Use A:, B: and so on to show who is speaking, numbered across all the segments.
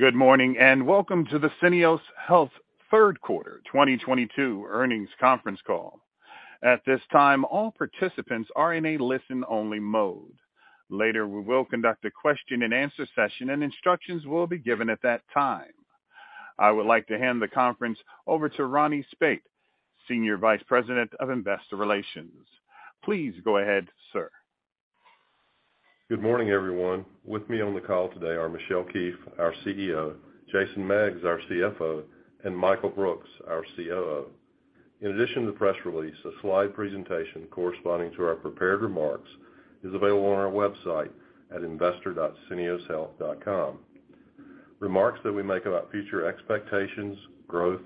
A: Good morning, and welcome to the Syneos Health third quarter 2022 earnings conference call. At this time, all participants are in a listen-only mode. Later, we will conduct a question-and-answer session and instructions will be given at that time. I would like to hand the conference over to Ronnie Speight, Senior Vice President of Investor Relations. Please go ahead, sir.
B: Good morning, everyone. With me on the call today are Michelle Keefe, our CEO, Jason Meggs, our CFO, and Michael Brooks, our COO. In addition to the press release, a slide presentation corresponding to our prepared remarks is available on our website at investor.syneoshealth.com. Remarks that we make about future expectations, growth,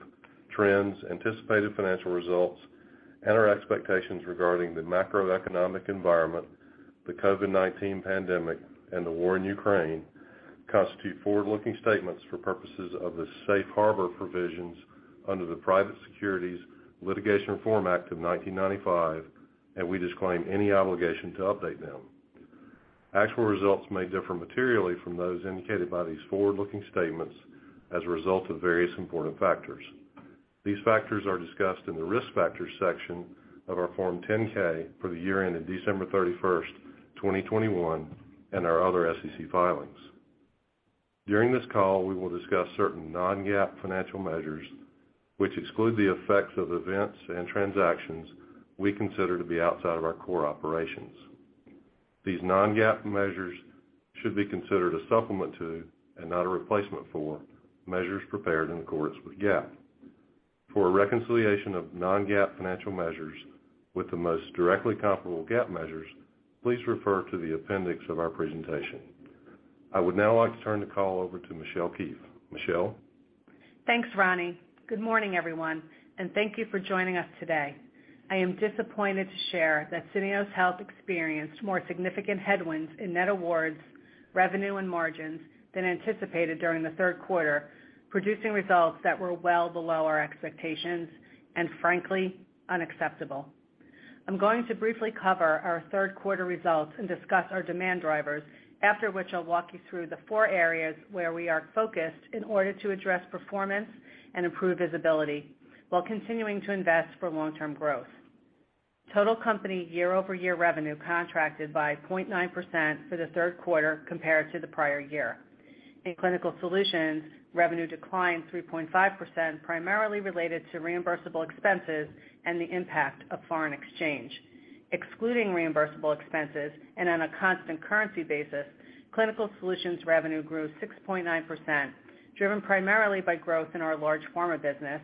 B: trends, anticipated financial results, and our expectations regarding the macroeconomic environment, the COVID-19 pandemic, and the war in Ukraine constitute forward-looking statements for purposes of the safe harbor provisions under the Private Securities Litigation Reform Act of 1995, and we disclaim any obligation to update them. Actual results may differ materially from those indicated by these forward-looking statements as a result of various important factors. These factors are discussed in the Risk Factors section of our Form 10-K for the year ending December 31, 2021, and our other SEC filings. During this call, we will discuss certain non-GAAP financial measures which exclude the effects of events and transactions we consider to be outside of our core operations. These non-GAAP measures should be considered a supplement to, and not a replacement for, measures prepared in accordance with GAAP. For a reconciliation of non-GAAP financial measures with the most directly comparable GAAP measures, please refer to the appendix of our presentation. I would now like to turn the call over to Michelle Keefe. Michelle?
C: Thanks, Ronnie. Good morning, everyone, and thank you for joining us today. I am disappointed to share that Syneos Health experienced more significant headwinds in net awards, revenue, and margins than anticipated during the third quarter, producing results that were well below our expectations, and frankly, unacceptable. I'm going to briefly cover our third quarter results and discuss our demand drivers, after which I'll walk you through the four areas where we are focused in order to address performance and improve visibility while continuing to invest for long-term growth. Total company year-over-year revenue contracted by 0.9% for the third quarter compared to the prior year. In Clinical Solutions, revenue declined 3.5%, primarily related to reimbursable expenses and the impact of foreign exchange. Excluding reimbursable expenses and on a constant currency basis, Clinical Solutions revenue grew 6.9%, driven primarily by growth in our large pharma business,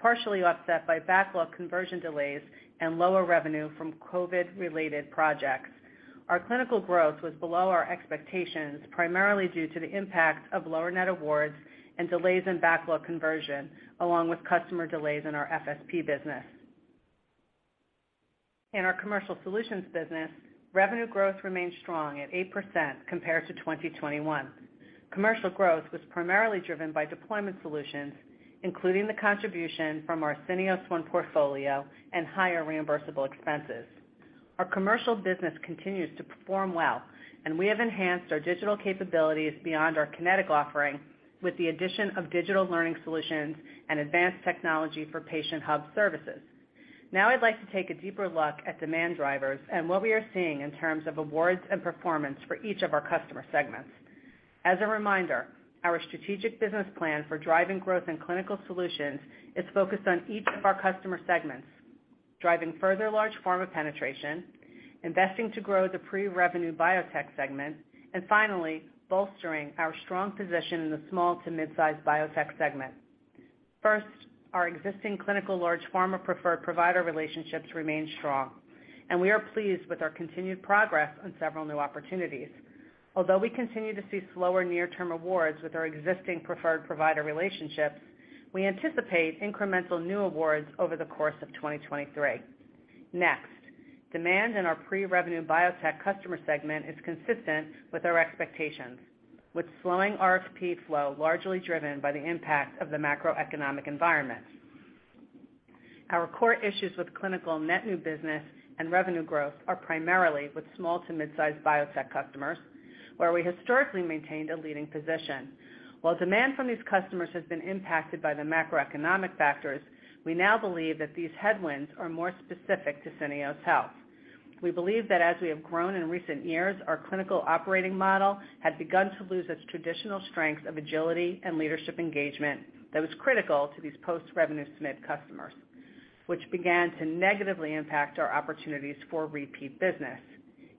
C: partially offset by backlog conversion delays and lower revenue from COVID-related projects. Our clinical growth was below our expectations, primarily due to the impact of lower net awards and delays in backlog conversion, along with customer delays in our FSP business. In our Commercial Solutions business, revenue growth remained strong at 8% compared to 2021. Commercial growth was primarily driven by deployment solutions, including the contribution from our Syneos One portfolio and higher reimbursable expenses. Our commercial business continues to perform well, and we have enhanced our digital capabilities beyond our Kinetic offering with the addition of digital learning solutions and advanced technology for patient hub services. Now I'd like to take a deeper look at demand drivers and what we are seeing in terms of awards and performance for each of our customer segments. As a reminder, our strategic business plan for driving growth in Clinical Solutions is focused on each of our customer segments, driving further large pharma penetration, investing to grow the pre-revenue biotech segment, and finally, bolstering our strong position in the small to mid-size biotech segment. First, our existing clinical large pharma preferred provider relationships remain strong, and we are pleased with our continued progress on several new opportunities. Although we continue to see slower near-term awards with our existing preferred provider relationships, we anticipate incremental new awards over the course of 2023. Next, demand in our pre-revenue biotech customer segment is consistent with our expectations, with slowing RFP flow largely driven by the impact of the macroeconomic environment. Our core issues with clinical net new business and revenue growth are primarily with small to mid-size biotech customers, where we historically maintained a leading position. While demand from these customers has been impacted by the macroeconomic factors, we now believe that these headwinds are more specific to Syneos Health. We believe that as we have grown in recent years, our clinical operating model had begun to lose its traditional strength of agility and leadership engagement that was critical to these post-revenue SMID customers, which began to negatively impact our opportunities for repeat business.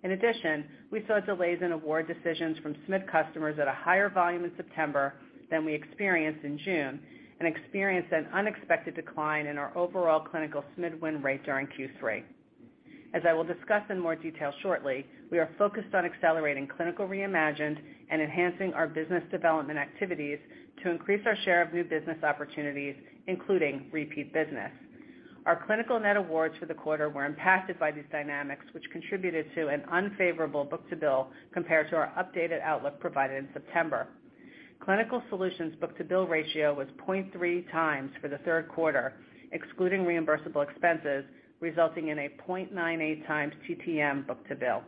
C: In addition, we saw delays in award decisions from SMID customers at a higher volume in September than we experienced in June and experienced an unexpected decline in our overall clinical SMID win rate during Q3. As I will discuss in more detail shortly, we are focused on accelerating Clinical Reimagined and enhancing our business development activities to increase our share of new business opportunities, including repeat business. Our clinical net awards for the quarter were impacted by these dynamics, which contributed to an unfavorable book-to-bill compared to our updated outlook provided in September. Clinical Solutions book-to-bill ratio was 0.3x for the third quarter, excluding reimbursable expenses, resulting in a 0.98x TTM book-to-bill.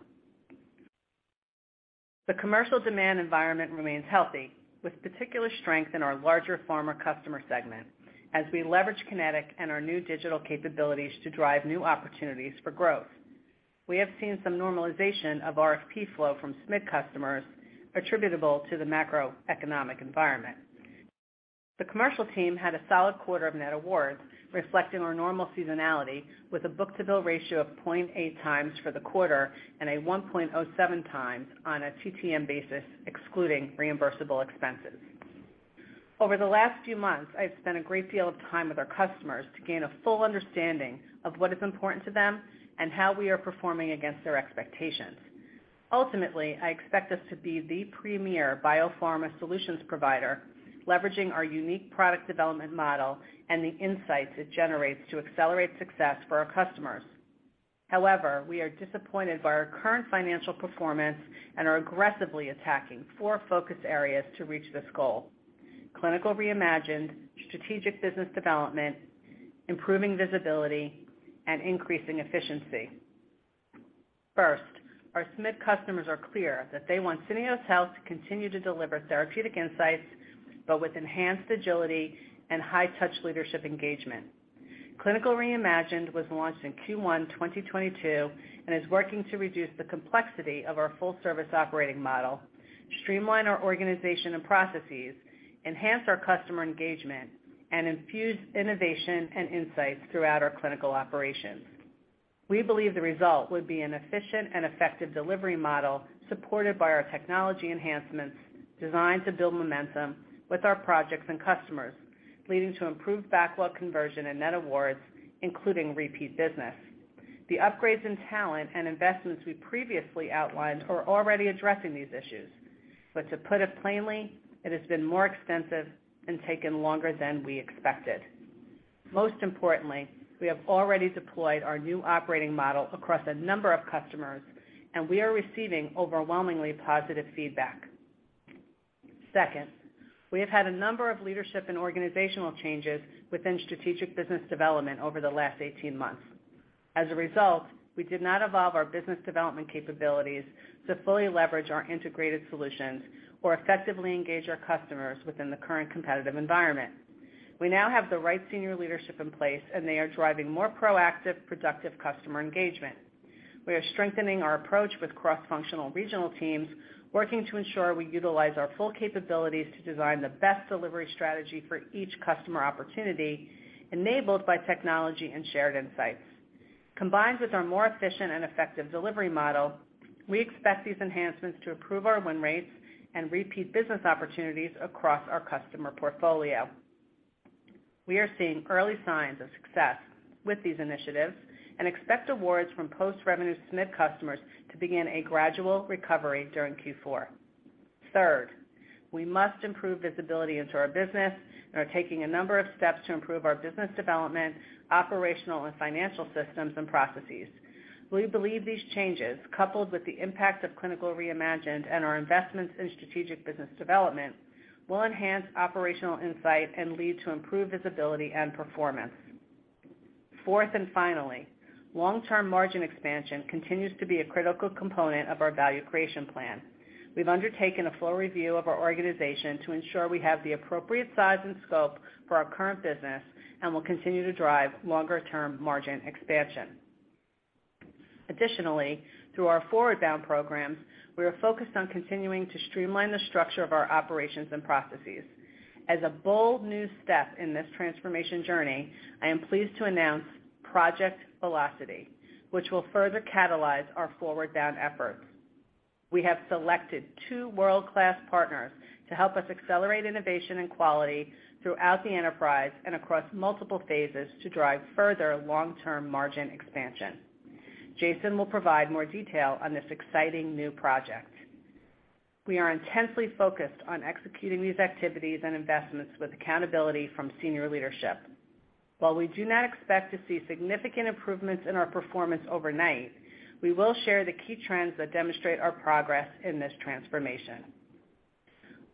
C: The commercial demand environment remains healthy, with particular strength in our larger pharma customer segment as we leverage Kinetic and our new digital capabilities to drive new opportunities for growth. We have seen some normalization of RFP flow from SMID customers attributable to the macroeconomic environment. The commercial team had a solid quarter of net awards reflecting our normal seasonality with a book-to-bill ratio of 0.8x for the quarter and a 1.07x on a TTM basis, excluding reimbursable expenses. Over the last few months, I've spent a great deal of time with our customers to gain a full understanding of what is important to them and how we are performing against their expectations. Ultimately, I expect us to be the premier biopharma solutions provider, leveraging our unique product development model and the insights it generates to accelerate success for our customers. However, we are disappointed by our current financial performance and are aggressively attacking four focus areas to reach this goal, Clinical Reimagined, strategic business development, improving visibility, and increasing efficiency. First, our SMID customers are clear that they want Syneos Health to continue to deliver therapeutic insights, but with enhanced agility and high-touch leadership engagement. Clinical Reimagined was launched in Q1 2022, and is working to reduce the complexity of our full service operating model, streamline our organization and processes, enhance our customer engagement, and infuse innovation and insights throughout our clinical operations. We believe the result would be an efficient and effective delivery model supported by our technology enhancements designed to build momentum with our projects and customers, leading to improved backlog conversion and net awards, including repeat business. The upgrades in talent and investments we previously outlined are already addressing these issues. To put it plainly, it has been more extensive and taken longer than we expected. Most importantly, we have already deployed our new operating model across a number of customers, and we are receiving overwhelmingly positive feedback. Second, we have had a number of leadership and organizational changes within strategic business development over the last 18 months. As a result, we did not evolve our business development capabilities to fully leverage our integrated solutions or effectively engage our customers within the current competitive environment. We now have the right senior leadership in place, and they are driving more proactive, productive customer engagement. We are strengthening our approach with cross-functional regional teams, working to ensure we utilize our full capabilities to design the best delivery strategy for each customer opportunity enabled by technology and shared insights. Combined with our more efficient and effective delivery model, we expect these enhancements to improve our win rates and repeat business opportunities across our customer portfolio. We are seeing early signs of success with these initiatives and expect awards from post-revenue SMID customers to begin a gradual recovery during Q4. Third, we must improve visibility into our business and are taking a number of steps to improve our business development, operational and financial systems and processes. We believe these changes, coupled with the impact of Clinical Reimagined and our investments in strategic business development, will enhance operational insight and lead to improved visibility and performance. Fourth, and finally, long-term margin expansion continues to be a critical component of our value creation plan. We've undertaken a full review of our organization to ensure we have the appropriate size and scope for our current business and will continue to drive longer-term margin expansion. Additionally, through our ForwardBound programs, we are focused on continuing to streamline the structure of our operations and processes. As a bold new step in this transformation journey, I am pleased to announce Project Velocity, which will further catalyze our ForwardBound efforts. We have selected two world-class partners to help us accelerate innovation and quality throughout the enterprise and across multiple phases to drive further long-term margin expansion. Jason will provide more detail on this exciting new project. We are intensely focused on executing these activities and investments with accountability from senior leadership. While we do not expect to see significant improvements in our performance overnight, we will share the key trends that demonstrate our progress in this transformation.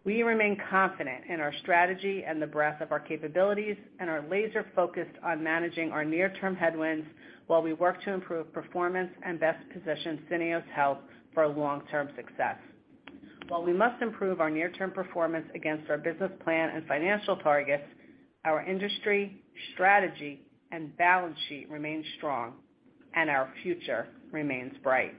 C: We remain confident in our strategy and the breadth of our capabilities and are laser-focused on managing our near-term headwinds while we work to improve performance and best position Syneos Health for long-term success. While we must improve our near-term performance against our business plan and financial targets, our industry, strategy, and balance sheet remain strong, and our future remains bright.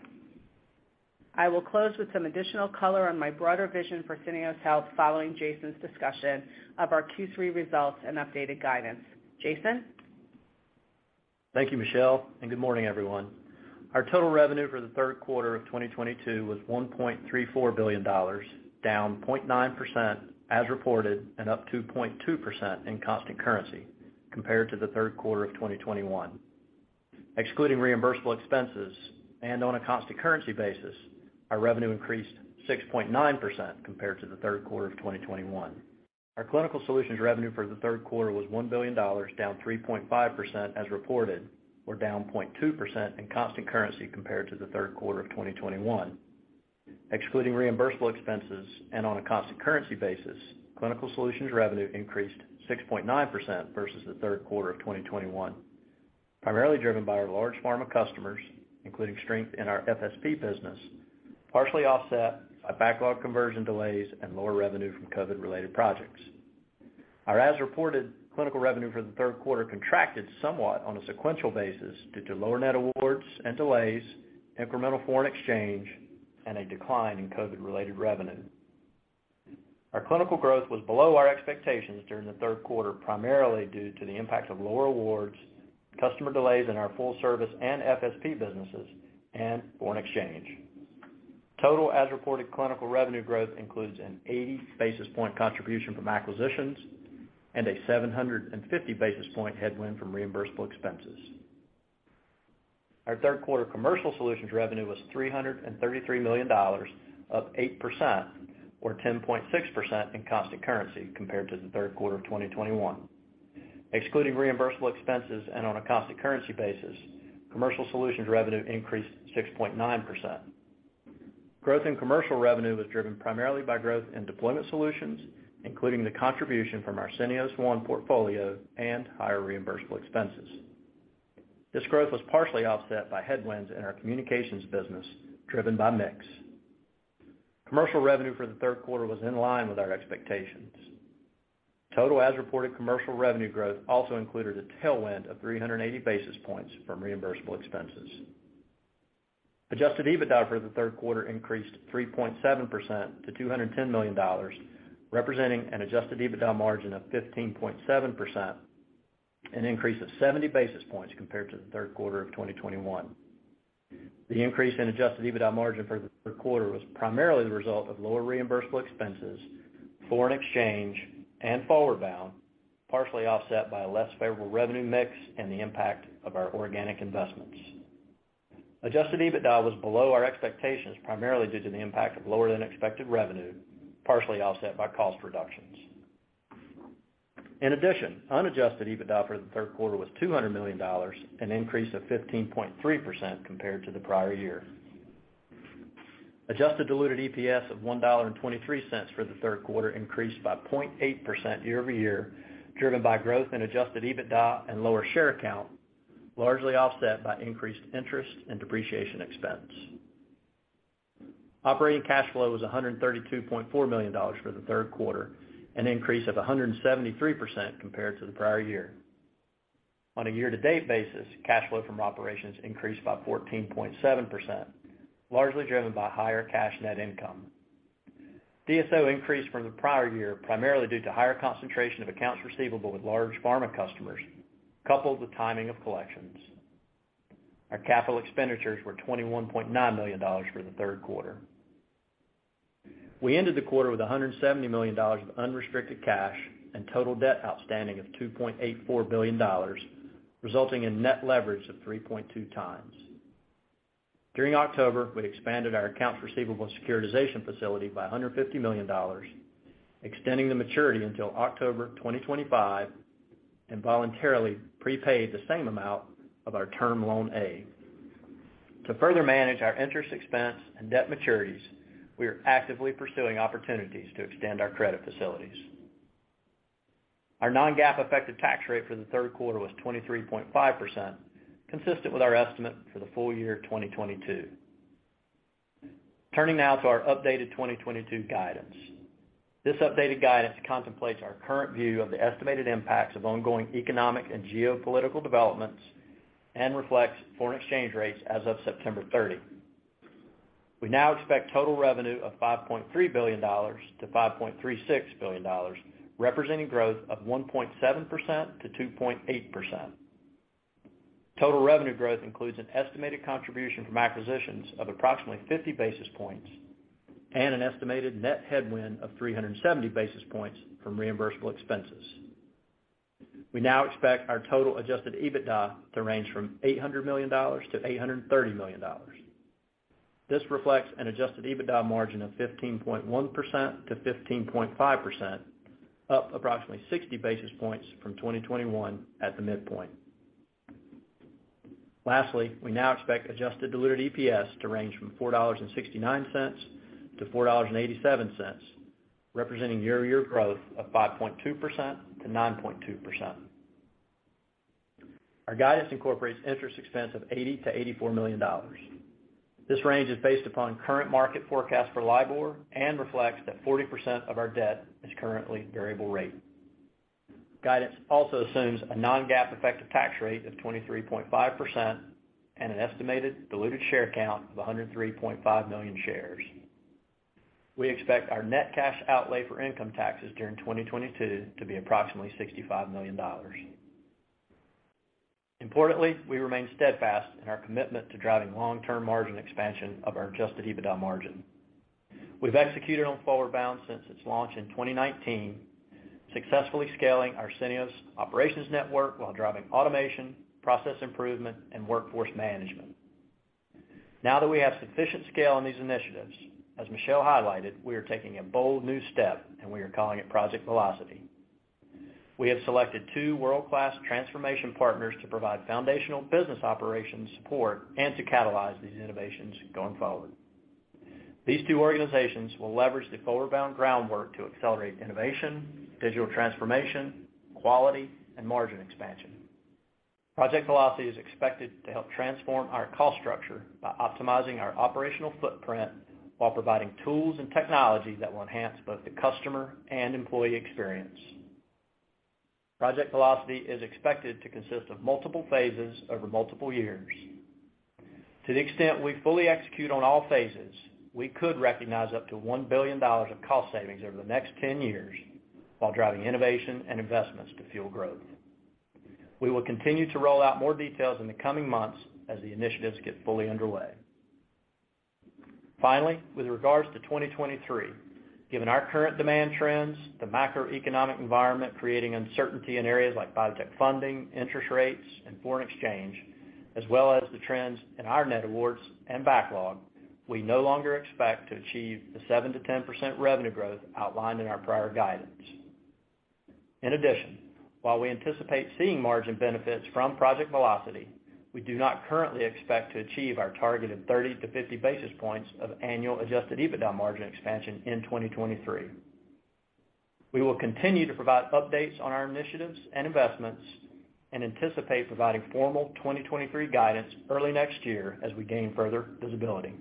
C: I will close with some additional color on my broader vision for Syneos Health following Jason's discussion of our Q3 results and updated guidance. Jason?
D: Thank you, Michelle, and good morning, everyone. Our total revenue for the third quarter of 2022 was $1.34 billion, down 0.9% as reported and up 2.2% in constant currency compared to the third quarter of 2021. Excluding reimbursable expenses and on a constant currency basis, our revenue increased 6.9% compared to the third quarter of 2021. Our Clinical Solutions revenue for the third quarter was $1 billion, down 3.5% as reported, or down 0.2% in constant currency compared to the third quarter of 2021. Excluding reimbursable expenses and on a constant currency basis, Clinical Solutions revenue increased 6.9% versus the third quarter of 2021. Primarily driven by our large pharma customers, including strength in our FSP business, partially offset by backlog conversion delays and lower revenue from COVID-related projects. Our as-reported clinical revenue for the third quarter contracted somewhat on a sequential basis due to lower net awards and delays, incremental foreign exchange, and a decline in COVID-related revenue. Our clinical growth was below our expectations during the third quarter, primarily due to the impact of lower awards, customer delays in our full service and FSP businesses, and foreign exchange. Total as-reported clinical revenue growth includes an 80 basis points contribution from acquisitions and a 750 basis points headwind from reimbursable expenses. Our third quarter commercial solutions revenue was $333 million, up 8%, or 10.6% in constant currency compared to the third quarter of 2021. Excluding reimbursable expenses and on a constant currency basis, commercial solutions revenue increased 6.9%. Growth in commercial revenue was driven primarily by growth in deployment solutions, including the contribution from our Syneos One portfolio and higher reimbursable expenses. This growth was partially offset by headwinds in our communications business driven by mix. Commercial revenue for the third quarter was in line with our expectations. Total as-reported commercial revenue growth also included a tailwind of 380 basis points from reimbursable expenses. Adjusted EBITDA for the third quarter increased 3.7% to $210 million, representing an adjusted EBITDA margin of 15.7%, an increase of 70 basis points compared to the third quarter of 2021. The increase in adjusted EBITDA margin for the third quarter was primarily the result of lower reimbursable expenses, foreign exchange, and ForwardBound, partially offset by a less favorable revenue mix and the impact of our organic investments. Adjusted EBITDA was below our expectations primarily due to the impact of lower-than-expected revenue, partially offset by cost reductions. In addition, unadjusted EBITDA for the third quarter was $200 million, an increase of 15.3% compared to the prior year. Adjusted diluted EPS of $1.23 for the third quarter increased by 0.8% year-over-year, driven by growth in adjusted EBITDA and lower share count, largely offset by increased interest and depreciation expense. Operating cash flow was $132.4 million for the third quarter, an increase of 173% compared to the prior year. On a year-to-date basis, cash flow from operations increased by 14.7%, largely driven by higher cash net income. DSO increased from the prior year, primarily due to higher concentration of accounts receivable with large pharma customers, coupled with timing of collections. Our capital expenditures were $21.9 million for the third quarter. We ended the quarter with $170 million of unrestricted cash and total debt outstanding of $2.84 billion, resulting in net leverage of 3.2x. During October, we expanded our accounts receivable securitization facility by $150 million, extending the maturity until October 2025, and voluntarily prepaid the same amount of our Term Loan A. To further manage our interest expense and debt maturities, we are actively pursuing opportunities to extend our credit facilities. Our non-GAAP effective tax rate for the third quarter was 23.5%, consistent with our estimate for the full year 2022. Turning now to our updated 2022 guidance. This updated guidance contemplates our current view of the estimated impacts of ongoing economic and geopolitical developments and reflects foreign exchange rates as of September 30. We now expect total revenue of $5.3 billion-$5.36 billion, representing growth of 1.7%-2.8%. Total revenue growth includes an estimated contribution from acquisitions of approximately 50 basis points and an estimated net headwind of 370 basis points from reimbursable expenses. We now expect our total adjusted EBITDA to range from $800 million-$830 million. This reflects an adjusted EBITDA margin of 15.1%-15.5%, up approximately 60 basis points from 2021 at the midpoint. Lastly, we now expect adjusted diluted EPS to range from $4.69-$4.87, representing year-over-year growth of 5.2%-9.2%. Our guidance incorporates interest expense of $80-$84 million. This range is based upon current market forecast for LIBOR and reflects that 40% of our debt is currently variable rate. Guidance also assumes a non-GAAP effective tax rate of 23.5% and an estimated diluted share count of 103.5 million shares. We expect our net cash outlay for income taxes during 2022 to be approximately $65 million. Importantly, we remain steadfast in our commitment to driving long-term margin expansion of our adjusted EBITDA margin. We've executed on ForwardBound since its launch in 2019, successfully scaling our Syneos Operations Network while driving automation, process improvement, and workforce management. Now that we have sufficient scale on these initiatives, as Michelle highlighted, we are taking a bold new step, and we are calling it Project Velocity. We have selected two world-class transformation partners to provide foundational business operations support and to catalyze these innovations going forward. These two organizations will leverage the ForwardBound groundwork to accelerate innovation, digital transformation, quality, and margin expansion. Project Velocity is expected to help transform our cost structure by optimizing our operational footprint while providing tools and technology that will enhance both the customer and employee experience. Project Velocity is expected to consist of multiple phases over multiple years. To the extent we fully execute on all phases, we could recognize up to $1 billion of cost savings over the next 10 years while driving innovation and investments to fuel growth. We will continue to roll out more details in the coming months as the initiatives get fully underway. Finally, with regards to 2023, given our current demand trends, the macroeconomic environment creating uncertainty in areas like biotech funding, interest rates, and foreign exchange, as well as the trends in our net awards and backlog, we no longer expect to achieve the 7%-10% revenue growth outlined in our prior guidance. In addition, while we anticipate seeing margin benefits from Project Velocity, we do not currently expect to achieve our targeted 30-50 basis points of annual adjusted EBITDA margin expansion in 2023. We will continue to provide updates on our initiatives and investments and anticipate providing formal 2023 guidance early next year as we gain further visibility.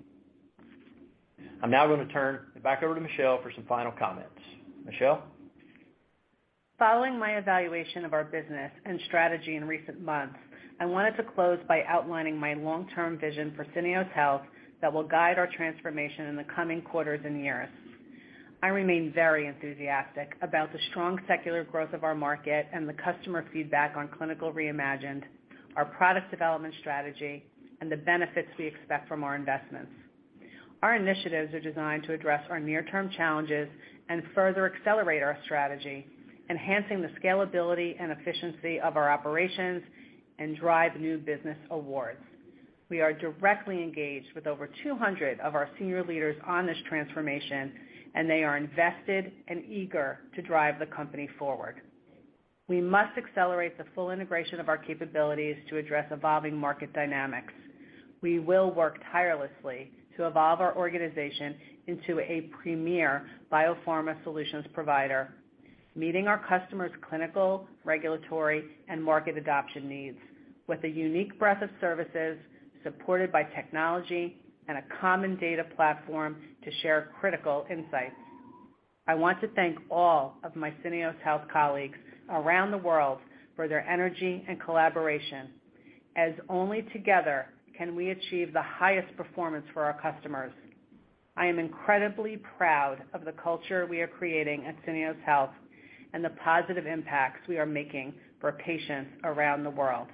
D: I'm now going to turn it back over to Michelle for some final comments. Michelle?
C: Following my evaluation of our business and strategy in recent months, I wanted to close by outlining my long-term vision for Syneos Health that will guide our transformation in the coming quarters and years. I remain very enthusiastic about the strong secular growth of our market and the customer feedback on Clinical Reimagined, our product development strategy, and the benefits we expect from our investments. Our initiatives are designed to address our near-term challenges and further accelerate our strategy, enhancing the scalability and efficiency of our operations and drive new business awards. We are directly engaged with over 200 of our senior leaders on this transformation, and they are invested and eager to drive the company forward. We must accelerate the full integration of our capabilities to address evolving market dynamics. We will work tirelessly to evolve our organization into a premier biopharma solutions provider, meeting our customers' clinical, regulatory, and market adoption needs with a unique breadth of services supported by technology and a common data platform to share critical insights. I want to thank all of my Syneos Health colleagues around the world for their energy and collaboration, as only together can we achieve the highest performance for our customers. I am incredibly proud of the culture we are creating at Syneos Health and the positive impacts we are making for patients around the world.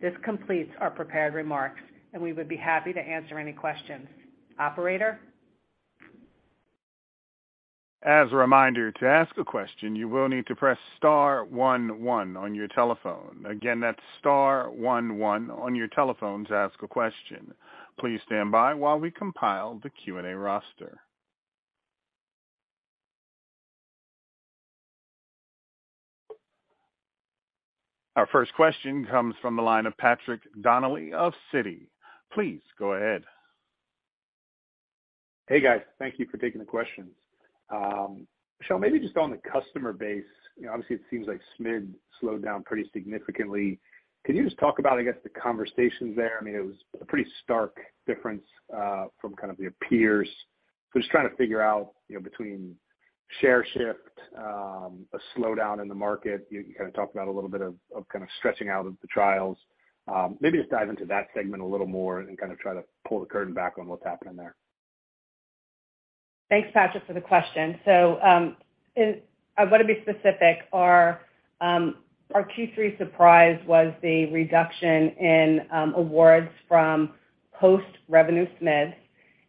C: This completes our prepared remarks, and we would be happy to answer any questions. Operator?
A: As a reminder, to ask a question, you will need to press *11 on your telephone. Again, that's *11 on your telephone to ask a question. Please stand by while we compile the Q&A roster. Our first question comes from the line of Patrick Donnelly of Citi. Please go ahead.
E: Hey, guys. Thank you for taking the questions. Michelle, maybe just on the customer base, you know, obviously it seems like SMID slowed down pretty significantly. Can you just talk about, I guess, the conversations there? I mean, it was a pretty stark difference from kind of your peers. Just trying to figure out, you know, between share shift, a slowdown in the market. You kinda talked about a little bit of kind of stretching out of the trials. Maybe just dive into that segment a little more and kind of try to pull the curtain back on what's happening there.
C: Thanks, Patrick, for the question. I want to be specific. Our Q3 surprise was the reduction in awards from post-revenue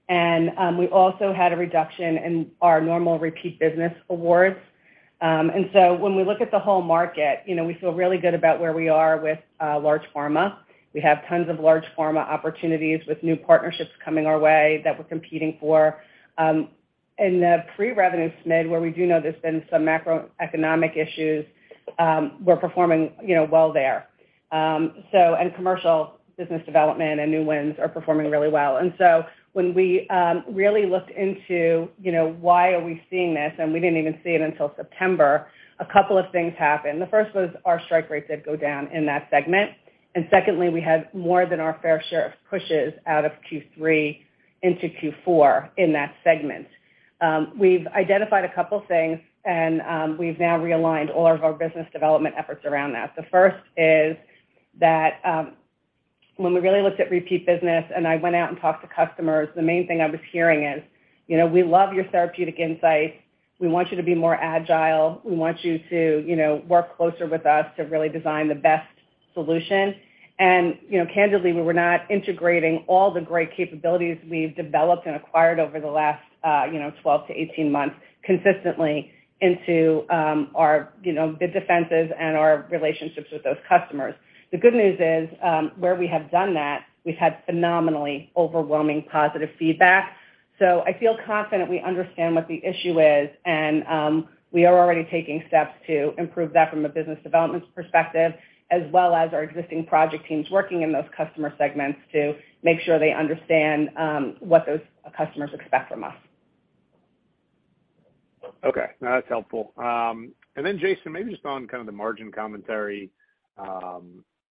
C: SMIDs. We also had a reduction in our normal repeat business awards. When we look at the whole market, you know, we feel really good about where we are with large pharma. We have tons of large pharma opportunities with new partnerships coming our way that we're competing for. In the pre-revenue SMID, where we do know there's been some macroeconomic issues, we're performing, you know, well there. Commercial business development and new wins are performing really well. When we really looked into, you know, why are we seeing this, and we didn't even see it until September, a couple of things happened. The first was our strike rates did go down in that segment. Secondly, we had more than our fair share of pushes out of Q3 into Q4 in that segment. We've identified a couple things, and we've now realigned all of our business development efforts around that. The first is that, when we really looked at repeat business and I went out and talked to customers, the main thing I was hearing is, you know, "We love your therapeutic insights. We want you to be more agile. We want you to, you know, work closer with us to really design the best solution." You know, candidly, we were not integrating all the great capabilities we've developed and acquired over the last, you know, 12 to 18 months consistently into, our, you know, the offense and our relationships with those customers. The good news is, where we have done that, we've had phenomenally overwhelming positive feedback. I feel confident we understand what the issue is and we are already taking steps to improve that from a business development perspective, as well as our existing project teams working in those customer segments to make sure they understand what those customers expect from us.
E: Okay. No, that's helpful. Jason, maybe just on kind of the margin commentary,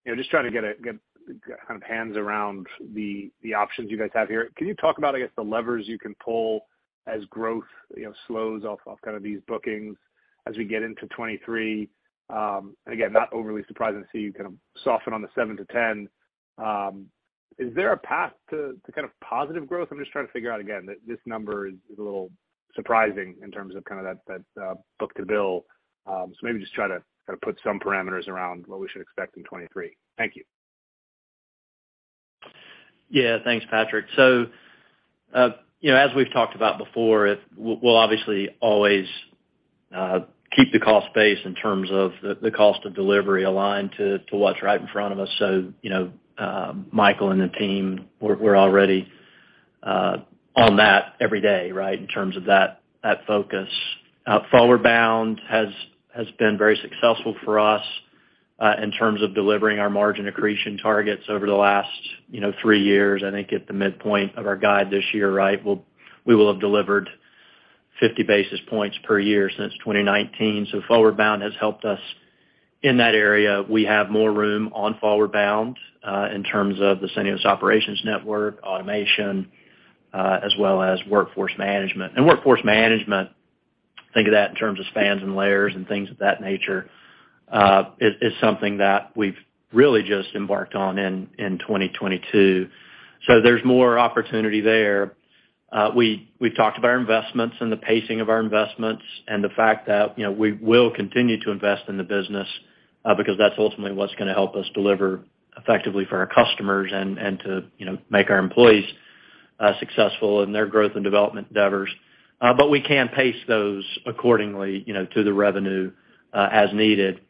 E: you know, just trying to get a handle around the options you guys have here. Can you talk about, I guess, the levers you can pull as growth, you know, slows off of these bookings as we get into 2023? Again, not overly surprised to see you kind of soften on the 7%-10%. Is there a path to kind of positive growth? I'm just trying to figure out again that this number is a little surprising in terms of kind of that book-to-bill. Maybe just try to kind of put some parameters around what we should expect in 2023. Thank you.
D: Yeah. Thanks, Patrick. You know, as we've talked about before, we'll obviously always keep the cost base in terms of the cost of delivery aligned to what's right in front of us. You know, Michael and the team, we're already on that every day, right, in terms of that focus. ForwardBound has been very successful for us in terms of delivering our margin accretion targets over the last 3 years. I think at the midpoint of our guide this year, right, we will have delivered 50 basis points per year since 2019. ForwardBound has helped us in that area. We have more room on ForwardBound in terms of the Syneos operations network, automation, as well as workforce management. Workforce management, think of that in terms of spans and layers and things of that nature, is something that we've really just embarked on in 2022. There's more opportunity there. We've talked about our investments and the pacing of our investments and the fact that, you know, we will continue to invest in the business, because that's ultimately what's gonna help us deliver effectively for our customers and to, you know, make our employees successful in their growth and development endeavors. We can pace those accordingly, you know, to the revenue, as needed.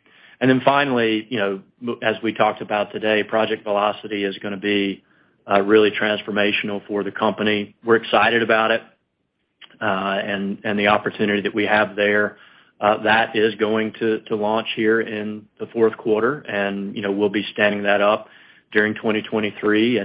D: Finally, you know, as we talked about today, Project Velocity is gonna be really transformational for the company. We're excited about it, and the opportunity that we have there. That is going to launch here in the fourth quarter. You know, we'll be standing that up during 2023.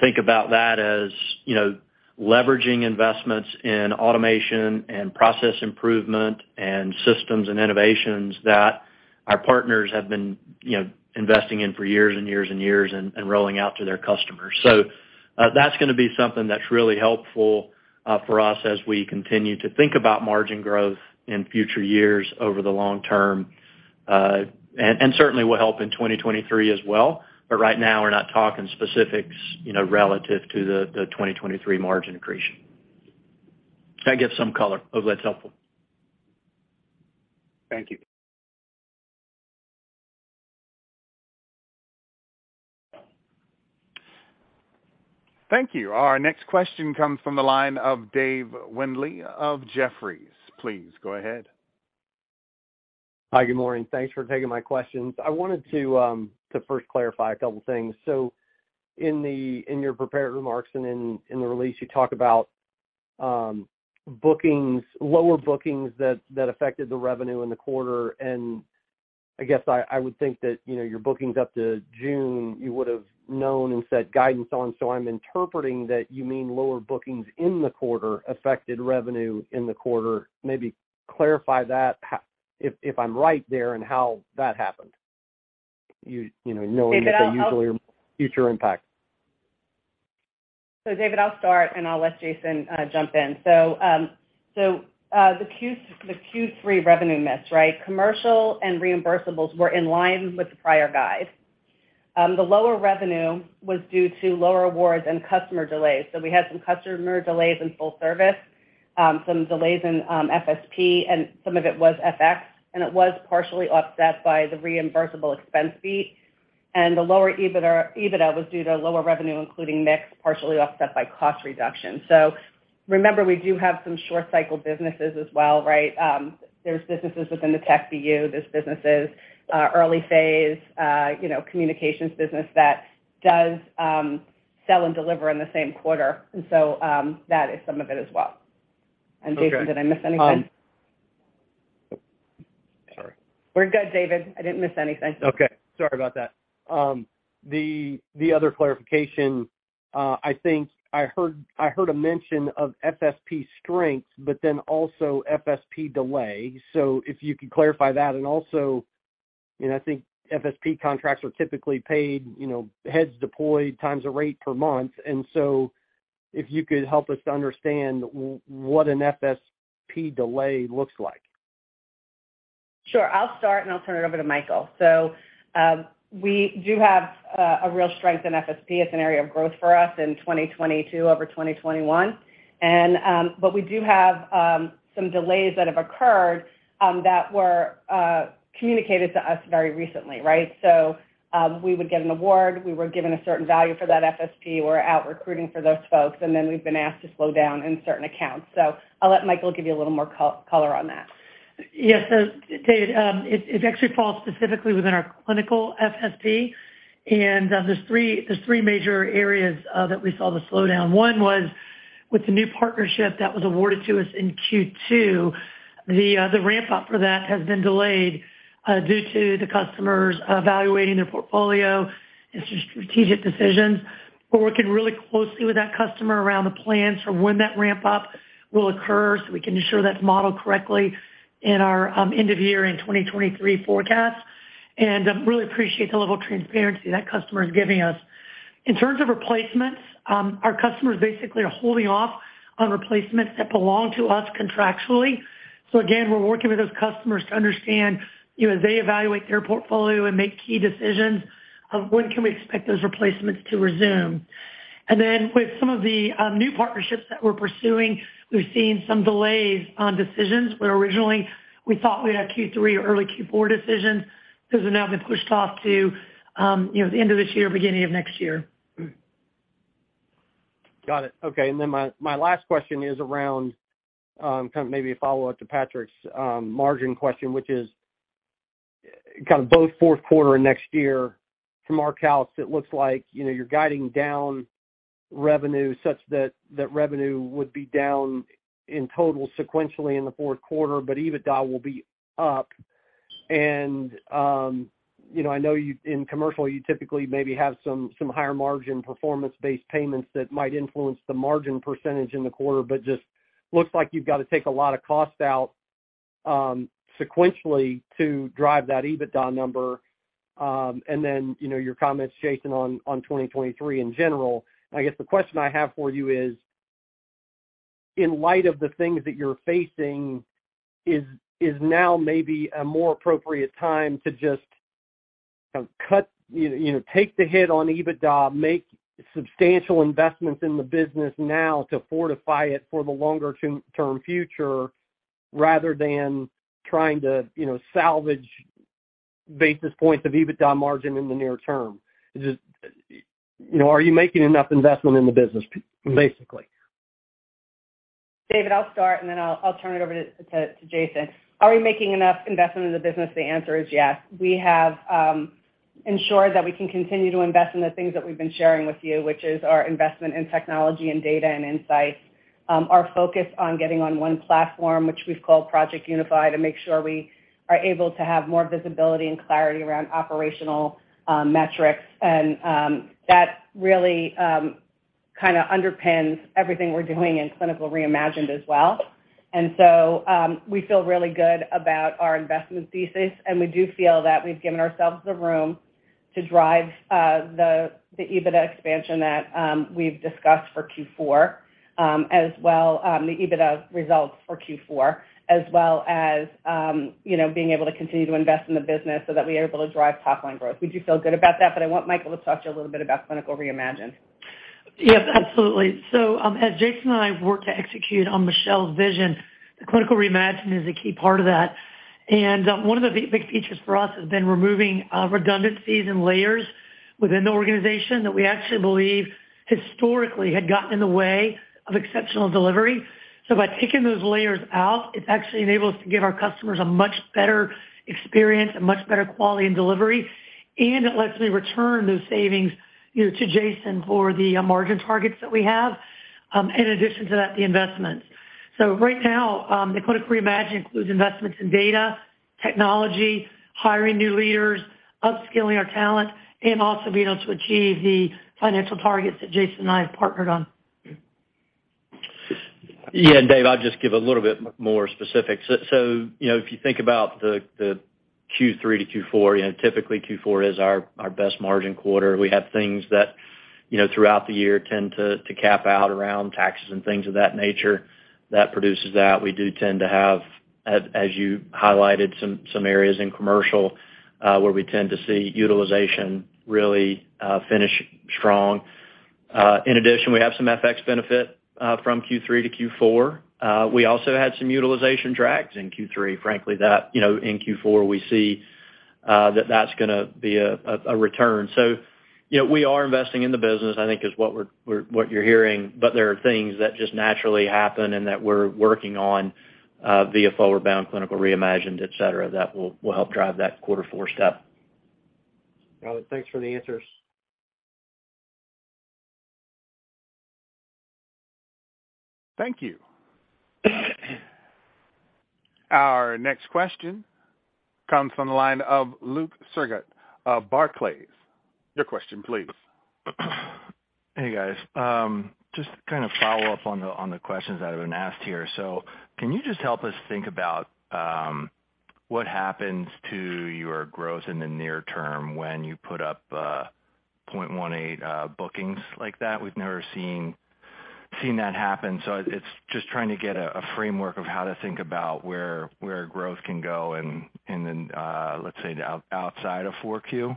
D: Think about that as, you know, leveraging investments in automation and process improvement and systems and innovations that our partners have been, you know, investing in for years and years and years and rolling out to their customers. That's gonna be something that's really helpful for us as we continue to think about margin growth in future years over the long term. Certainly will help in 2023 as well. Right now, we're not talking specifics, you know, relative to the 2023 margin accretion. That gives some color. Hope that's helpful.
E: Thank you.
A: Thank you. Our next question comes from the line of Dave Windley of Jefferies. Please go ahead.
F: Hi, good morning. Thanks for taking my questions. I wanted to first clarify a couple things. In your prepared remarks and in the release, you talk about bookings, lower bookings that affected the revenue in the quarter. I guess I would think that, you know, your bookings up to June, you would've known and set guidance on. I'm interpreting that you mean lower bookings in the quarter affected revenue in the quarter. Maybe clarify that, if I'm right there and how that happened. You know, knowing that they usually future impact.
C: Dave, I'll start, and I'll let Jason jump in. Q3 revenue miss, right? Commercial and reimbursables were in line with the prior guide. The lower revenue was due to lower awards and customer delays. We had some customer delays in full service, some delays in FSP, and some of it was FX, and it was partially offset by the reimbursable expense fee. The lower EBITDA was due to lower revenue, including mix, partially offset by cost reduction. Remember, we do have some short cycle businesses as well, right? There's businesses within the tech BU. There's businesses, early phase, you know, communications business that does sell and deliver in the same quarter. That is some of it as well.
F: Okay.
C: Jason, did I miss anything?
F: Sorry.
C: We're good, David. I didn't miss anything.
F: Okay. Sorry about that. The other clarification, I think I heard a mention of FSP strength, but then also FSP delay. If you could clarify that. Also, you know, I think FSP contracts are typically paid, you know, heads deployed times the rate per month. If you could help us to understand what an FSP delay looks like.
C: Sure. I'll start, and I'll turn it over to Michael. We do have a real strength in FSP. It's an area of growth for us in 2022 over 2021. We do have some delays that have occurred that were communicated to us very recently, right? We would get an award, we were given a certain value for that FSP, we're out recruiting for those folks, and then we've been asked to slow down in certain accounts. I'll let Michael give you a little more color on that.
E: Yes. Dave, it actually falls specifically within our clinical FSP. There's three major areas that we saw the slowdown. One was with the new partnership that was awarded to us in Q2, the ramp up for that has been delayed due to the customers evaluating their portfolio and strategic decisions.
G: We're working really closely with that customer around the plans for when that ramp up will occur, so we can ensure that's modeled correctly in our end of year in 2023 forecast, and really appreciate the level of transparency that customer is giving us. In terms of replacements, our customers basically are holding off on replacements that belong to us contractually. Again, we're working with those customers to understand, you know, as they evaluate their portfolio and make key decisions of when can we expect those replacements to resume. Then with some of the new partnerships that we're pursuing, we've seen some delays on decisions where originally we thought we'd have Q3 or early Q4 decisions. Those have now been pushed off to, you know, the end of this year, beginning of next year.
F: Got it. Okay. My last question is around, kind of maybe a follow-up to Patrick's margin question, which is kind of both fourth quarter and next year. From our calc, it looks like, you know, you're guiding down revenue such that revenue would be down in total sequentially in the fourth quarter, but EBITDA will be up. You know, I know you in commercial, you typically maybe have some higher margin performance-based payments that might influence the margin percentage in the quarter, but just looks like you've got to take a lot of cost out sequentially to drive that EBITDA number. Your comments, Jason, on 2023 in general. I guess the question I have for you is, in light of the things that you're facing, is now maybe a more appropriate time to just you know, take the hit on EBITDA, make substantial investments in the business now to fortify it for the longer-term future rather than trying to, you know, salvage basis points of EBITDA margin in the near term? Is it, you know, are you making enough investment in the business, basically?
C: David, I'll start, and then I'll turn it over to Jason. Are we making enough investment in the business? The answer is yes. We have ensured that we can continue to invest in the things that we've been sharing with you, which is our investment in technology and data and insights. Our focus on getting on one platform, which we've called Project Unify, to make sure we are able to have more visibility and clarity around operational metrics. That really kind of underpins everything we're doing in Clinical Reimagined as well. We feel really good about our investment thesis, and we do feel that we've given ourselves the room to drive the EBITDA expansion that we've discussed for Q4, as well, the EBITDA results for Q4, as well as you know, being able to continue to invest in the business so that we are able to drive top-line growth. We do feel good about that, but I want Michael to talk to you a little bit about Clinical Reimagined.
G: Yes, absolutely. As Jason and I have worked to execute on Michelle's vision, the Clinical Reimagined is a key part of that. One of the big features for us has been removing redundancies and layers within the organization that we actually believe historically had gotten in the way of exceptional delivery. By taking those layers out, it's actually enabled us to give our customers a much better experience, a much better quality and delivery, and it lets me return those savings, you know, to Jason for the margin targets that we have, in addition to that, the investments. Right now, the Clinical Reimagined includes investments in data, technology, hiring new leaders, upskilling our talent, and also being able to achieve the financial targets that Jason and I have partnered on.
D: Yeah, Dave, I'll just give a little bit more specifics. You know, if you think about the Q3 to Q4, you know, typically Q4 is our best margin quarter. We have things that, you know, throughout the year tend to cap out around taxes and things of that nature that produces that. We do tend to have, as you highlighted, some areas in commercial where we tend to see utilization really finish strong. In addition, we have some FX benefit from Q3 to Q4. We also had some utilization drags in Q3, frankly, that, you know, in Q4, we see that that's gonna be a return. you know, we are investing in the business, I think is what we're what you're hearing, but there are things that just naturally happen and that we're working on via ForwardBound, Clinical Reimagined, et cetera, that will help drive that quarter four step.
F: Got it. Thanks for the answers.
A: Thank you. Our next question comes from the line of Luke Sergott of Barclays. Your question, please.
H: Hey, guys. Just to kind of follow up on the questions that have been asked here. Can you just help us think about what happens to your growth in the near term when you put up 0.18 bookings like that? We've never seen that happen. It's just trying to get a framework of how to think about where growth can go and then let's say outside of 4Q.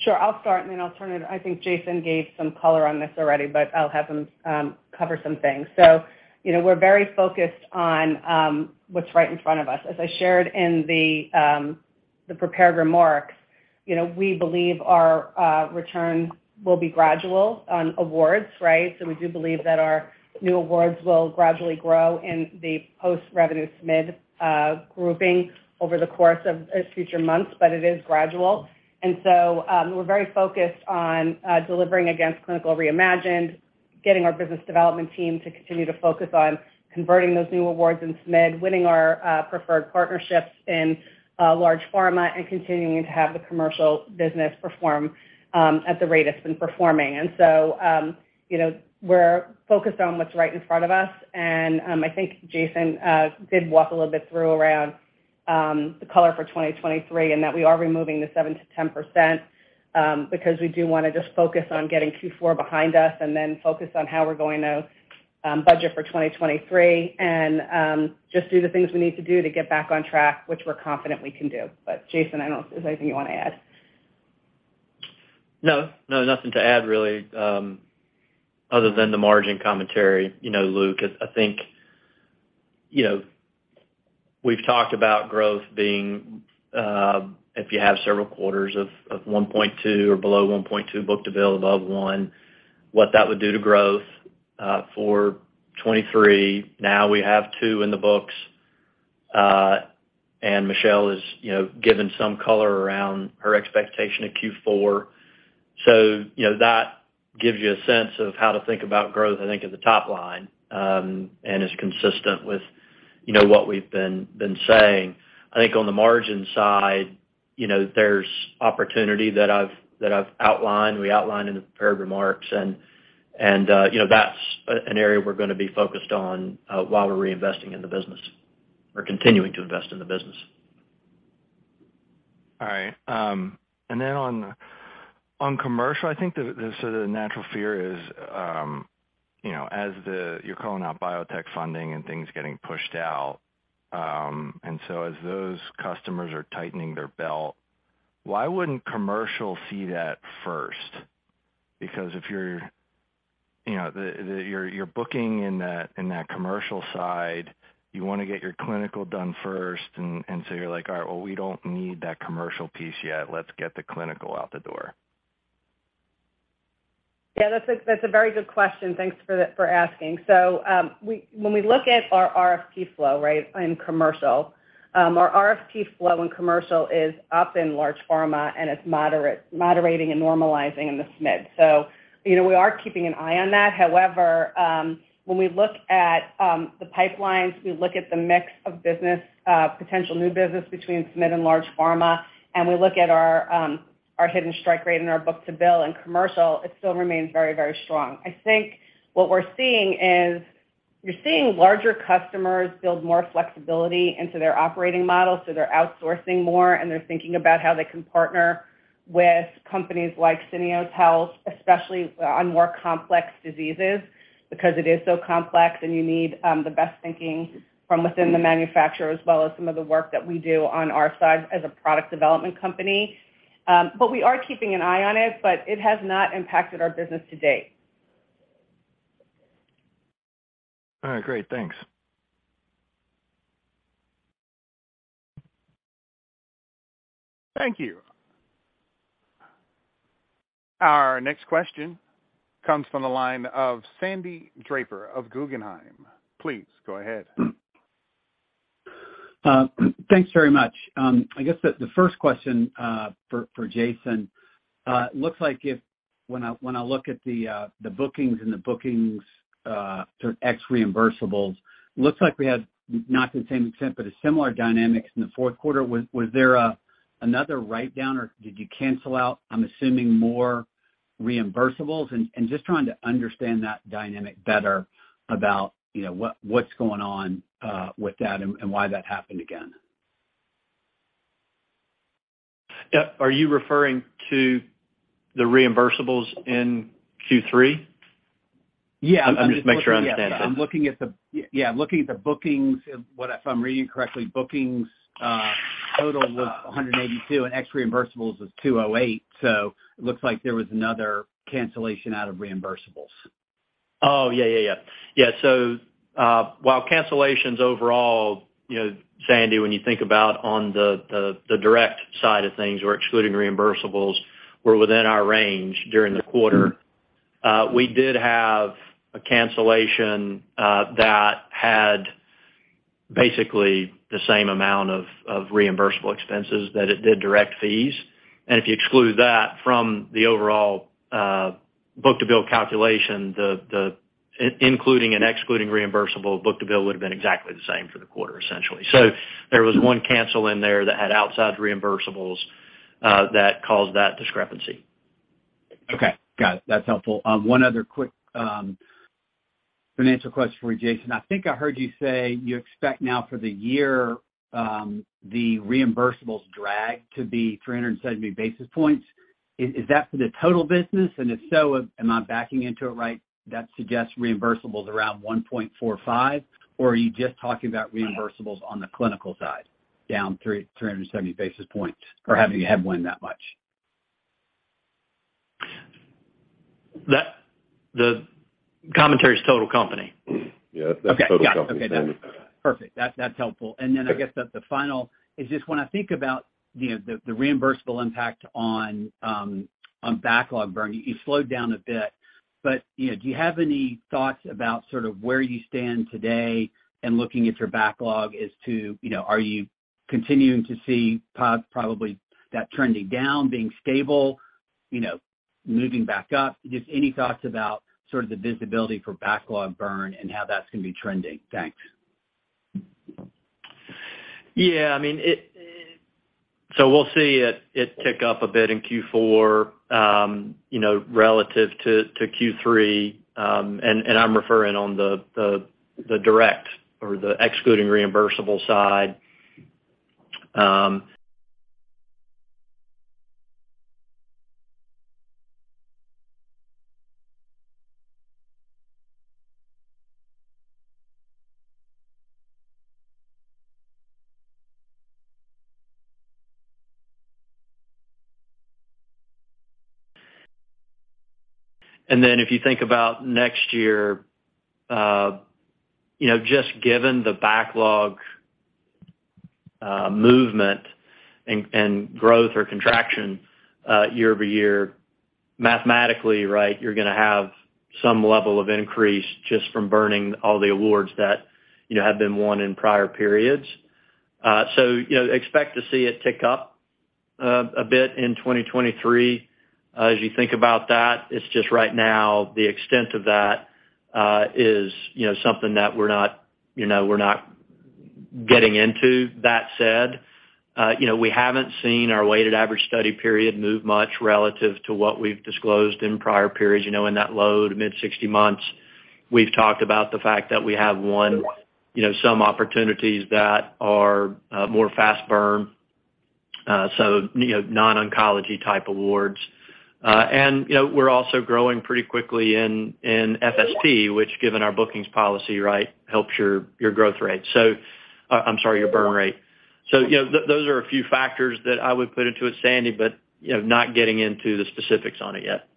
C: Sure. I'll start. I think Jason gave some color on this already, but I'll have him cover some things. You know, we're very focused on what's right in front of us. As I shared in the prepared remarks, you know, we believe our return will be gradual on awards, right? We do believe that our new awards will gradually grow in the post-revenue SMID grouping over the course of future months, but it is gradual. We're very focused on delivering against Clinical Reimagined. Getting our business development team to continue to focus on converting those new awards in SMID, winning our preferred partnerships in large pharma, and continuing to have the commercial business perform at the rate it's been performing. You know, we're focused on what's right in front of us, and I think Jason did walk a little bit through around the color for 2023, and that we are removing the 7%-10%, because we do wanna just focus on getting Q4 behind us and then focus on how we're going to budget for 2023 and just do the things we need to do to get back on track, which we're confident we can do. Jason, I don't know if there's anything you wanna add.
D: No, nothing to add really, other than the margin commentary. You know, Luke, I think, you know, we've talked about growth being if you have several quarters of 1.2 or below 1.2 book-to-bill above one, what that would do to growth for 2023. Now we have two in the books, and Michelle has, you know, given some color around her expectation of Q4. You know, that gives you a sense of how to think about growth, I think, at the top line, and is consistent with, you know, what we've been saying. I think on the margin side, you know, there's opportunity that I've outlined, we outlined in the prepared remarks and, you know, that's an area we're gonna be focused on while we're reinvesting in the business or continuing to invest in the business.
H: All right. On commercial, I think the sort of natural fear is, you know, as you're calling out biotech funding and things getting pushed out, and so as those customers are tightening their belt, why wouldn't commercial see that first? Because if you're, you know, you're booking in that commercial side, you wanna get your clinical done first, and so you're like, "All right, well, we don't need that commercial piece yet. Let's get the clinical out the door.
C: Yeah, that's a very good question. Thanks for asking. When we look at our RFP flow, right, in commercial, our RFP flow in commercial is up in large pharma, and it's moderating and normalizing in the SMID. You know, we are keeping an eye on that. However, when we look at the pipelines, we look at the mix of business, potential new business between SMID and large pharma, and we look at our win rate in our book-to-bill and commercial. It still remains very, very strong. I think what we're seeing is larger customers build more flexibility into their operating model, so they're outsourcing more, and they're thinking about how they can partner with companies like Syneos Health, especially on more complex diseases, because it is so complex and you need the best thinking from within the manufacturer, as well as some of the work that we do on our side as a product development company. We are keeping an eye on it, but it has not impacted our business to date.
H: All right. Great. Thanks.
A: Thank you. Our next question comes from the line of Sandy Draper of Guggenheim. Please go ahead.
I: Thanks very much. I guess the first question for Jason looks like when I look at the bookings sort of ex reimbursables, looks like we had, not to the same extent, but a similar dynamics in the fourth quarter. Was there another write down or did you cancel out, I'm assuming, more reimbursables? Just trying to understand that dynamic better about, you know, what's going on with that and why that happened again.
D: Are you referring to the reimbursables in Q3?
I: Yeah.
D: I'm just making sure I understand.
I: I'm looking at the bookings. If I'm reading correctly, bookings total was $182, and ex reimbursables was $208. It looks like there was another cancellation out of reimbursables.
D: Yeah, so while cancellations overall, you know, Sandy, when you think about on the direct side of things or excluding reimbursables were within our range during the quarter, we did have a cancellation that had basically the same amount of reimbursable expenses that it did direct fees. If you exclude that from the overall book-to-bill calculation, including and excluding reimbursables, book-to-bill would have been exactly the same for the quarter, essentially. There was one cancel in there that had outsized reimbursables that caused that discrepancy.
I: Okay. Got it. That's helpful. One other quick financial question for you, Jason. I think I heard you say you expect now for the year the reimbursables drag to be 370 basis points. Is that for the total business? And if so, am I backing into it right? That suggests reimbursables around 1.45, or are you just talking about reimbursables on the clinical side down 370 basis points, or have you had one that much?
D: The commentary is total company.
C: Yeah. That's total company.
I: Okay. Got it. Okay. That's perfect. That's helpful. Then I guess that the final is just when I think about, you know, the reimbursable impact on backlog burn, you slowed down a bit, but, you know, do you have any thoughts about sort of where you stand today and looking at your backlog as to, you know, are you continuing to see probably that trending down being stable, you know, moving back up. Just any thoughts about sort of the visibility for backlog burn and how that's gonna be trending? Thanks.
D: Yeah, I mean, it tick up a bit in Q4, you know, relative to Q3, and I'm referring to the direct or the excluding reimbursable side. If you think about next year, you know, just given the backlog movement and growth or contraction year-over-year, mathematically, right, you're gonna have some level of increase just from burning all the awards that, you know, have been won in prior periods. Expect to see it tick up a bit in 2023. As you think about that, it's just right now the extent of that is, you know, something that we're not getting into. That said, you know, we haven't seen our weighted average study period move much relative to what we've disclosed in prior periods, you know, in that low- to mid-60 months. We've talked about the fact that we have won, you know, some opportunities that are more fast burn, so, you know, non-oncology type awards. And, you know, we're also growing pretty quickly in FSP, which given our bookings policy, right, helps your burn rate. So, you know, those are a few factors that I would put into it, Sandy, but, you know, not getting into the specifics on it yet.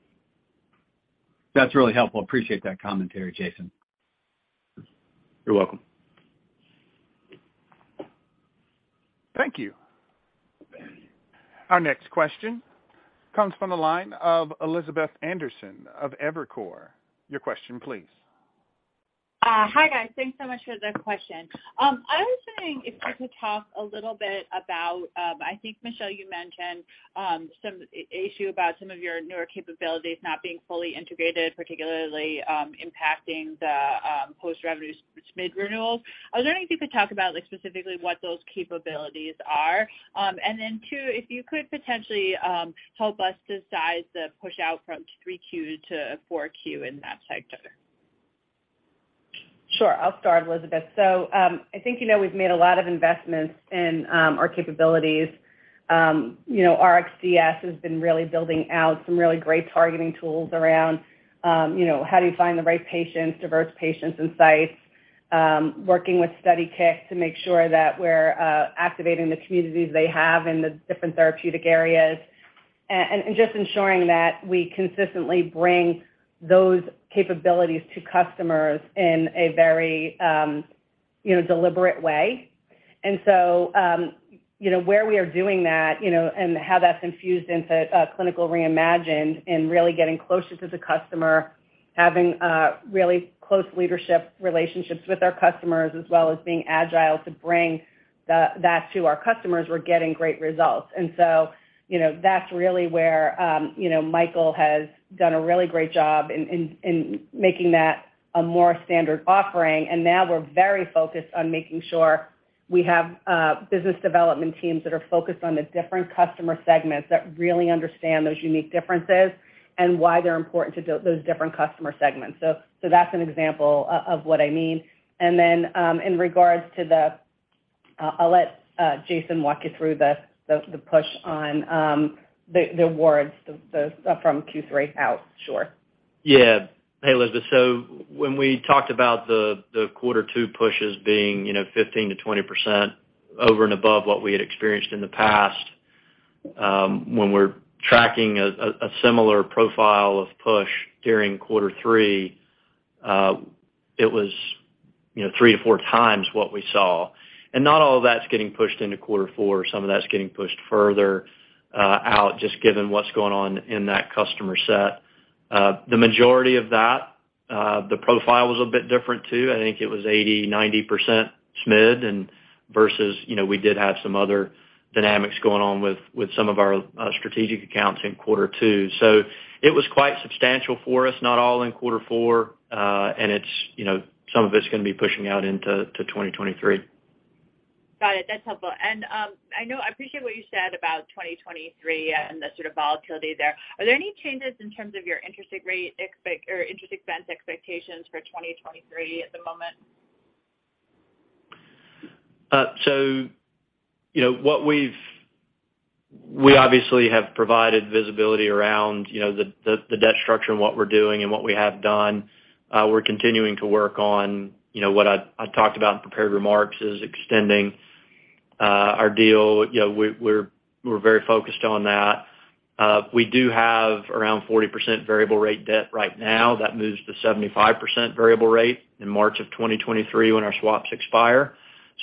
I: That's really helpful. Appreciate that commentary, Jason.
D: You're welcome.
A: Thank you. Our next question comes from the line of Elizabeth Anderson of Evercore. Your question please.
J: Hi, guys. Thanks so much for the question. I was wondering if you could talk a little bit about, I think, Michelle, you mentioned, some issue about some of your newer capabilities not being fully integrated, particularly, impacting the, post-revenue SMID renewals. I was wondering if you could talk about, like, specifically what those capabilities are. Then two, if you could potentially help us decide the push out from 3Q to 4Q in that sector.
C: Sure. I'll start, Elizabeth. I think you know we've made a lot of investments in our capabilities. You know, RXCS has been really building out some really great targeting tools around, you know, how do you find the right patients, diverse patients and sites, working with StudyKIK to make sure that we're activating the communities they have in the different therapeutic areas, and just ensuring that we consistently bring those capabilities to customers in a very, you know, deliberate way. You know, where we are doing that, you know, and how that's infused into Clinical Reimagined and really getting closer to the customer, having really close leadership relationships with our customers, as well as being agile to bring that to our customers, we're getting great results. You know, that's really where Michael has done a really great job in making that a more standard offering. Now we're very focused on making sure we have business development teams that are focused on the different customer segments that really understand those unique differences and why they're important to those different customer segments. That's an example of what I mean. In regards to the, I'll let Jason walk you through the push on the awards from Q3 out. Sure.
D: Yeah. Hey, Elizabeth. When we talked about the quarter two pushes being, you know, 15%-20% over and above what we had experienced in the past, when we're tracking a similar profile of push during quarter three, it was, you know, 3-4 times what we saw. Not all of that's getting pushed into quarter four. Some of that's getting pushed further out just given what's going on in that customer set. The majority of that, the profile was a bit different too. I think it was 80%-90% SMID and versus, you know, we did have some other dynamics going on with some of our strategic accounts in quarter two. It was quite substantial for us, not all in quarter four. It's, you know, some of it's gonna be pushing out into 2023.
J: Got it. That's helpful. I appreciate what you said about 2023 and the sort of volatility there. Are there any changes in terms of your interest rate or interest expense expectations for 2023 at the moment?
D: We obviously have provided visibility around the debt structure and what we're doing and what we have done. We're continuing to work on what I talked about in prepared remarks is extending our deal. You know, we're very focused on that. We do have around 40% variable rate debt right now that moves to 75% variable rate in March 2023 when our swaps expire.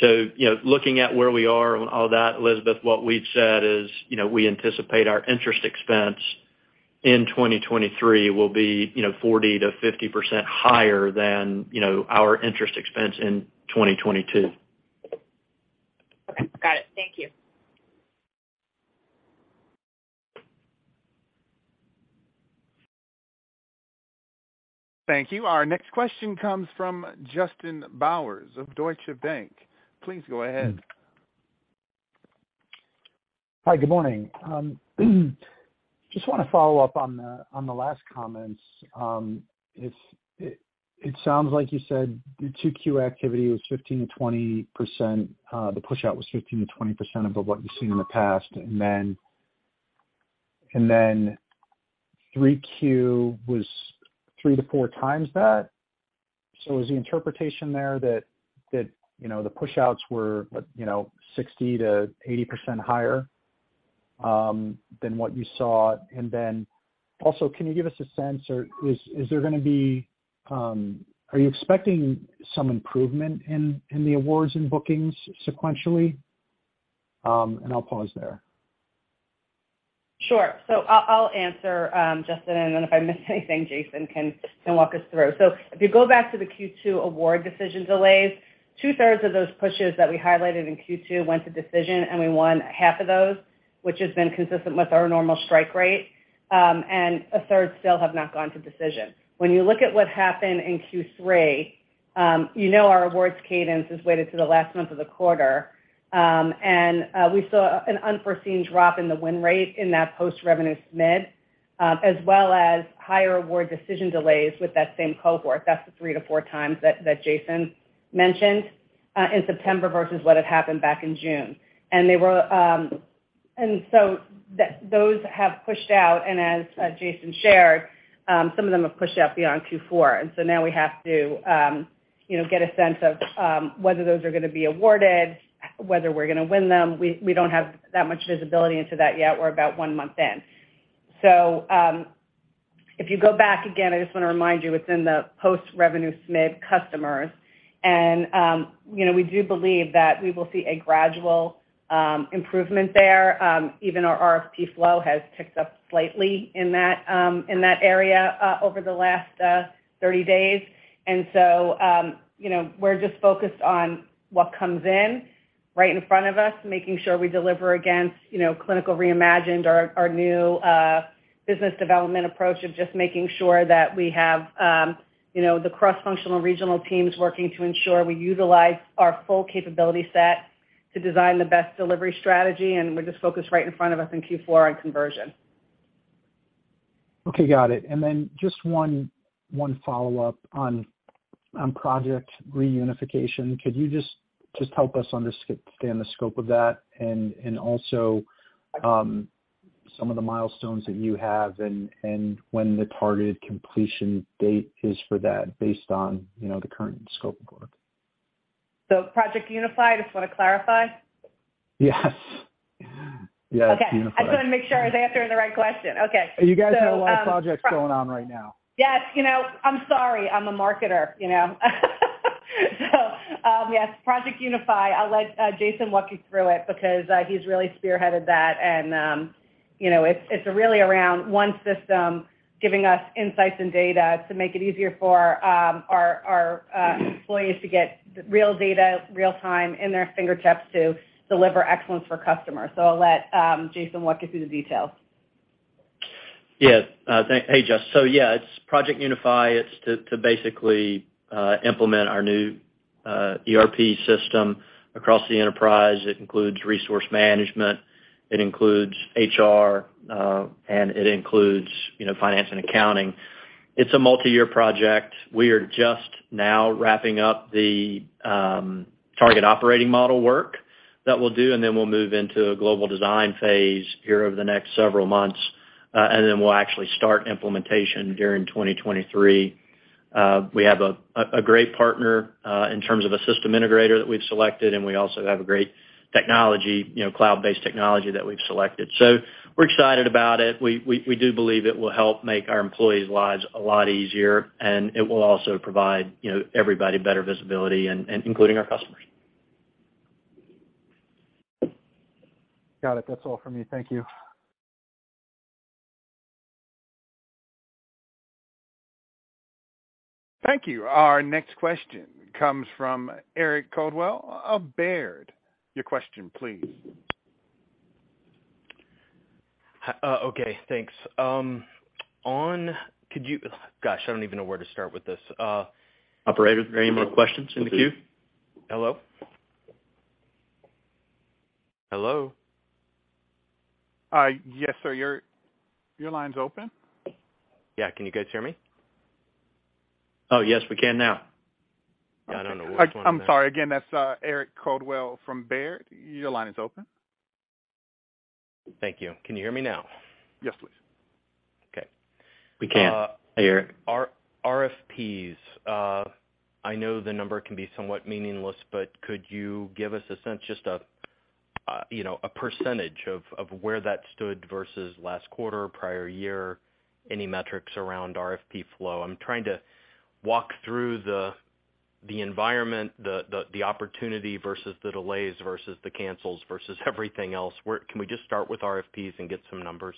D: Looking at where we are on all that, Elizabeth, what we've said is we anticipate our interest expense in 2023 will be 40%-50% higher than our interest expense in 2022.
C: Okay. Got it. Thank you.
A: Thank you. Our next question comes from Justin Bowers of Deutsche Bank. Please go ahead.
K: Hi, good morning. Just wanna follow up on the last comments. It sounds like you said your 2Q activity was 15%-20%. The push-out was 15%-20% of what you've seen in the past. 3Q was 3-4 times that. Is the interpretation there that you know the push-outs were you know 60%-80% higher than what you saw? And then also, can you give us a sense or are you expecting some improvement in the awards and bookings sequentially? I'll pause there.
C: Sure. I'll answer, Justin, and then if I miss anything, Jason can walk us through. If you go back to the Q2 award decision delays, two-thirds of those pushes that we highlighted in Q2 went to decision, and we won half of those, which has been consistent with our normal strike rate. A third still have not gone to decision. When you look at what happened in Q3, our awards cadence is weighted to the last month of the quarter. We saw an unforeseen drop in the win rate in that post-revenue SMID, as well as higher award decision delays with that same cohort. That's the 3-4 times that Jason mentioned, in September versus what had happened back in June. Those have pushed out, and as Jason shared, some of them have pushed out beyond Q4. Now we have to, you know, get a sense of whether those are gonna be awarded, whether we're gonna win them. We don't have that much visibility into that yet. We're about one month in. If you go back again, I just wanna remind you it's in the post-revenue SMID customers. You know, we do believe that we will see a gradual improvement there. Even our RFP flow has ticked up slightly in that area over the last 30 days. You know, we're just focused on what comes in right in front of us, making sure we deliver against, you know, Clinical Reimagined our new business development approach of just making sure that we have, you know, the cross-functional regional teams working to ensure we utilize our full capability set to design the best delivery strategy. We're just focused right in front of us in Q4 on conversion.
K: Okay, got it. Then just one follow-up on Project Unify. Could you just help us understand the scope of that and also some of the milestones that you have and when the targeted completion date is for that based on, you know, the current scope of work?
C: Project Unify, just wanna clarify?
K: Yes. Yes, Unify.
C: Okay. I just wanna make sure I was answering the right question. Okay.
K: You guys have a lot of projects going on right now.
C: Yes, you know, I'm sorry, I'm a marketer, you know. Yes, Project Unify, I'll let Jason walk you through it because he's really spearheaded that. You know, it's really around one system giving us insights and data to make it easier for our employees to get real data, real time in their fingertips to deliver excellence for customers. I'll let Jason walk you through the details.
D: Yes. Hey, Jess. Yeah, it's Project Unify. It's to basically implement our new ERP system across the enterprise. It includes resource management, it includes HR, and it includes, you know, finance and accounting. It's a multi-year project. We are just now wrapping up the target operating model work that we'll do, and then we'll move into a global design phase here over the next several months, and then we'll actually start implementation during 2023. We have a great partner in terms of a system integrator that we've selected, and we also have a great technology, you know, cloud-based technology that we've selected. We're excited about it. We do believe it will help make our employees' lives a lot easier, and it will also provide, you know, everybody better visibility and including our customers.
K: Got it. That's all for me. Thank you.
A: Thank you. Our next question comes from Eric Coldwell of Baird. Your question please.
L: Hi. Okay, thanks. Gosh, I don't even know where to start with this.
D: Operator, are there any more questions in the queue?
L: Hello? Hello?
A: Yes, sir. Your line's open.
L: Yeah. Can you guys hear me?
D: Oh, yes, we can now.
L: I don't know which one.
A: I'm sorry. Again, that's Eric Coldwell from Baird. Your line is open.
L: Thank you. Can you hear me now?
D: Yes, please.
L: Okay.
D: We can. Hey, Eric.
L: RFPs, I know the number can be somewhat meaningless, but could you give us a sense, just a, you know, a percentage of where that stood versus last quarter or prior year, any metrics around RFP flow? I'm trying to walk through the environment, the opportunity versus the delays versus the cancels versus everything else. Where can we just start with RFPs and get some numbers?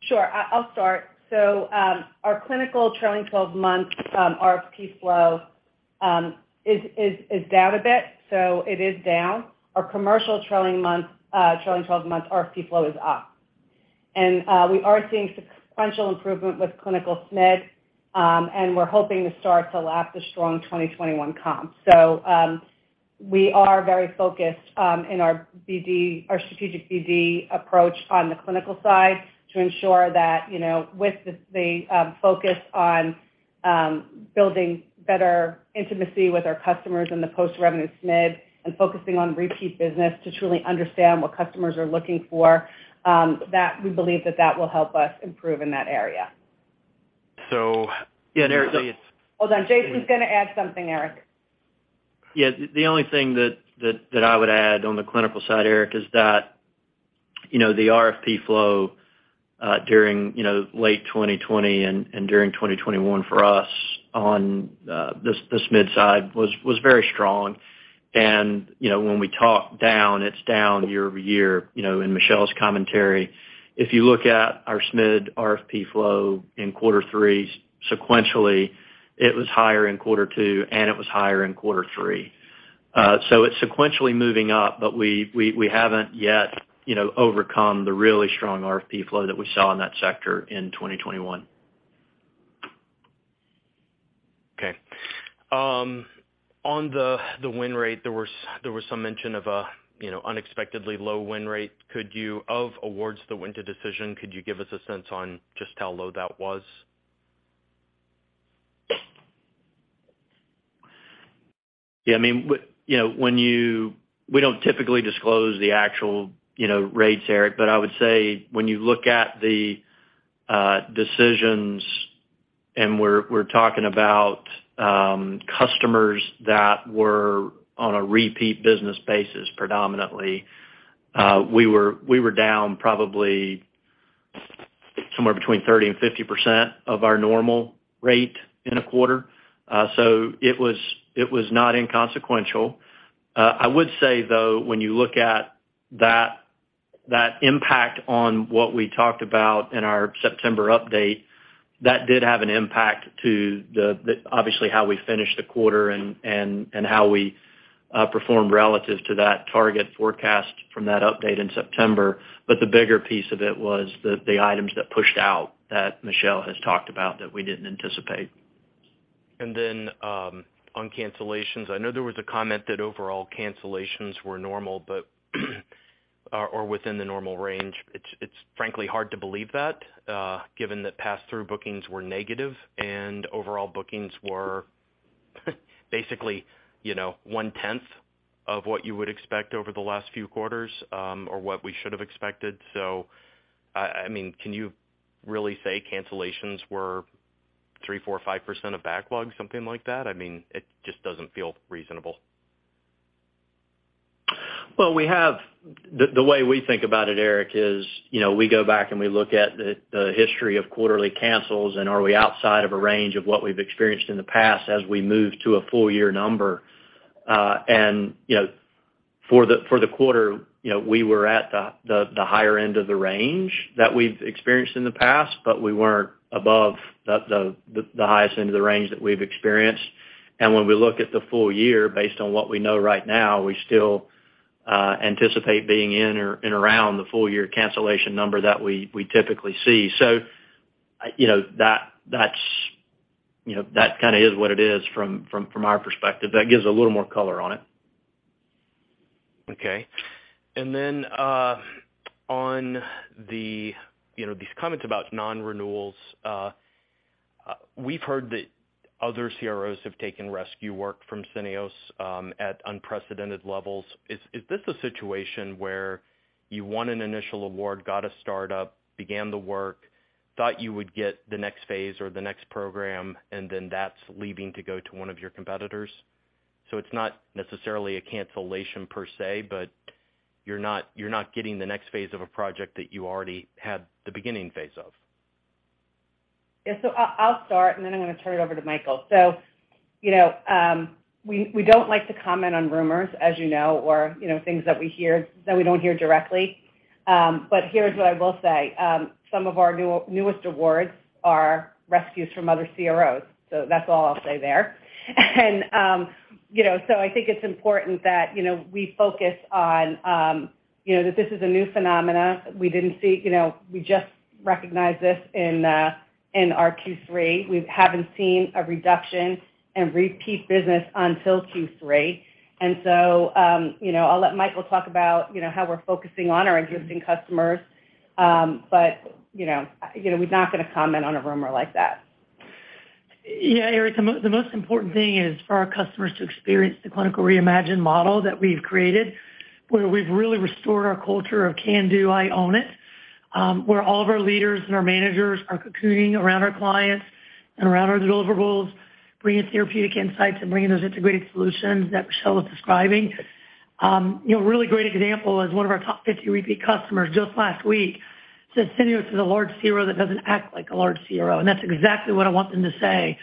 C: Sure. I'll start. Our clinical trailing twelve-month RFP flow is down a bit, so it is down. Our commercial trailing twelve-month RFP flow is up. We are seeing sequential improvement with clinical SMID, and we're hoping to start to lap the strong 2021 comp. We are very focused in our BD, our strategic BD approach on the clinical side to ensure that, you know, with the focus on building better intimacy with our customers in the post-revenue SMID and focusing on repeat business to truly understand what customers are looking for, that we believe that will help us improve in that area.
L: Yeah, Eric.
C: Hold on. Jason's gonna add something, Eric.
D: Yeah. The only thing that I would add on the clinical side, Eric, is that, you know, the RFP flow during, you know, late 2020 and during 2021 for us on the SMID side was very strong. You know, when we talk down, it's down year-over-year. You know, in Michelle's commentary, if you look at our SMID RFP flow in quarter three sequentially, it was higher in quarter two, and it was higher in quarter three. So it's sequentially moving up, but we haven't yet, you know, overcome the really strong RFP flow that we saw in that sector in 2021.
L: Okay. On the win rate, there was some mention of a, you know, unexpectedly low win rate. Of awards that went to decision, could you give us a sense on just how low that was?
D: Yeah. I mean, we don't typically disclose the actual, you know, rates, Eric. I would say when you look at the decisions, and we're talking about customers that were on a repeat business basis predominantly, we were down probably somewhere between 30%-50% of our normal rate in a quarter. It was not inconsequential. I would say, though, when you look at that impact on what we talked about in our September update, that did have an impact to the, obviously, how we finished the quarter and how we performed relative to that target forecast from that update in September. The bigger piece of it was the items that pushed out that Michelle has talked about that we didn't anticipate.
L: On cancellations, I know there was a comment that overall cancellations were normal or within the normal range. It's frankly hard to believe that, given that pass-through bookings were negative and overall bookings were basically, you know, one-tenth of what you would expect over the last few quarters, or what we should have expected. I mean, can you really say cancellations were 3, 4, 5% of backlog, something like that? I mean, it just doesn't feel reasonable.
D: Well, the way we think about it, Eric, is, you know, we go back and we look at the history of quarterly cancels and are we outside of a range of what we've experienced in the past as we move to a full year number. You know, for the quarter, you know, we were at the higher end of the range that we've experienced in the past, but we weren't above the highest end of the range that we've experienced. When we look at the full year, based on what we know right now, we still anticipate being in or around the full year cancellation number that we typically see. You know, that's kinda what it is from our perspective. That gives a little more color on it.
L: Okay. On the, you know, these comments about non-renewals, we've heard that other CROs have taken rescue work from Syneos at unprecedented levels. Is this a situation where you won an initial award, got a startup, began the work, thought you would get the next phase or the next program, and then that's leaving to go to one of your competitors? It's not necessarily a cancellation per se, but you're not getting the next phase of a project that you already had the beginning phase of.
C: I'll start, and then I'm gonna turn it over to Michael. We don't like to comment on rumors, as you know, or things that we hear that we don't hear directly. But here's what I will say. Some of our newest awards are rescues from other CROs, so that's all I'll say there. I think it's important that we focus on that this is a new phenomenon. We didn't see. You know, we just recognized this in our Q3. We haven't seen a reduction in repeat business until Q3. I'll let Michael talk about how we're focusing on our existing customers. We're not gonna comment on a rumor like that.
G: Yeah, Eric, the most important thing is for our customers to experience the Clinical Reimagined model that we've created, where we've really restored our culture of can-do, I own it, where all of our leaders and our managers are cocooning around our clients and around our deliverables, bringing therapeutic insights and bringing those integrated solutions that Michelle is describing. You know, a really great example is one of our top 50 repeat customers just last week said Syneos is a large CRO that doesn't act like a large CRO. That's exactly what I want them to say.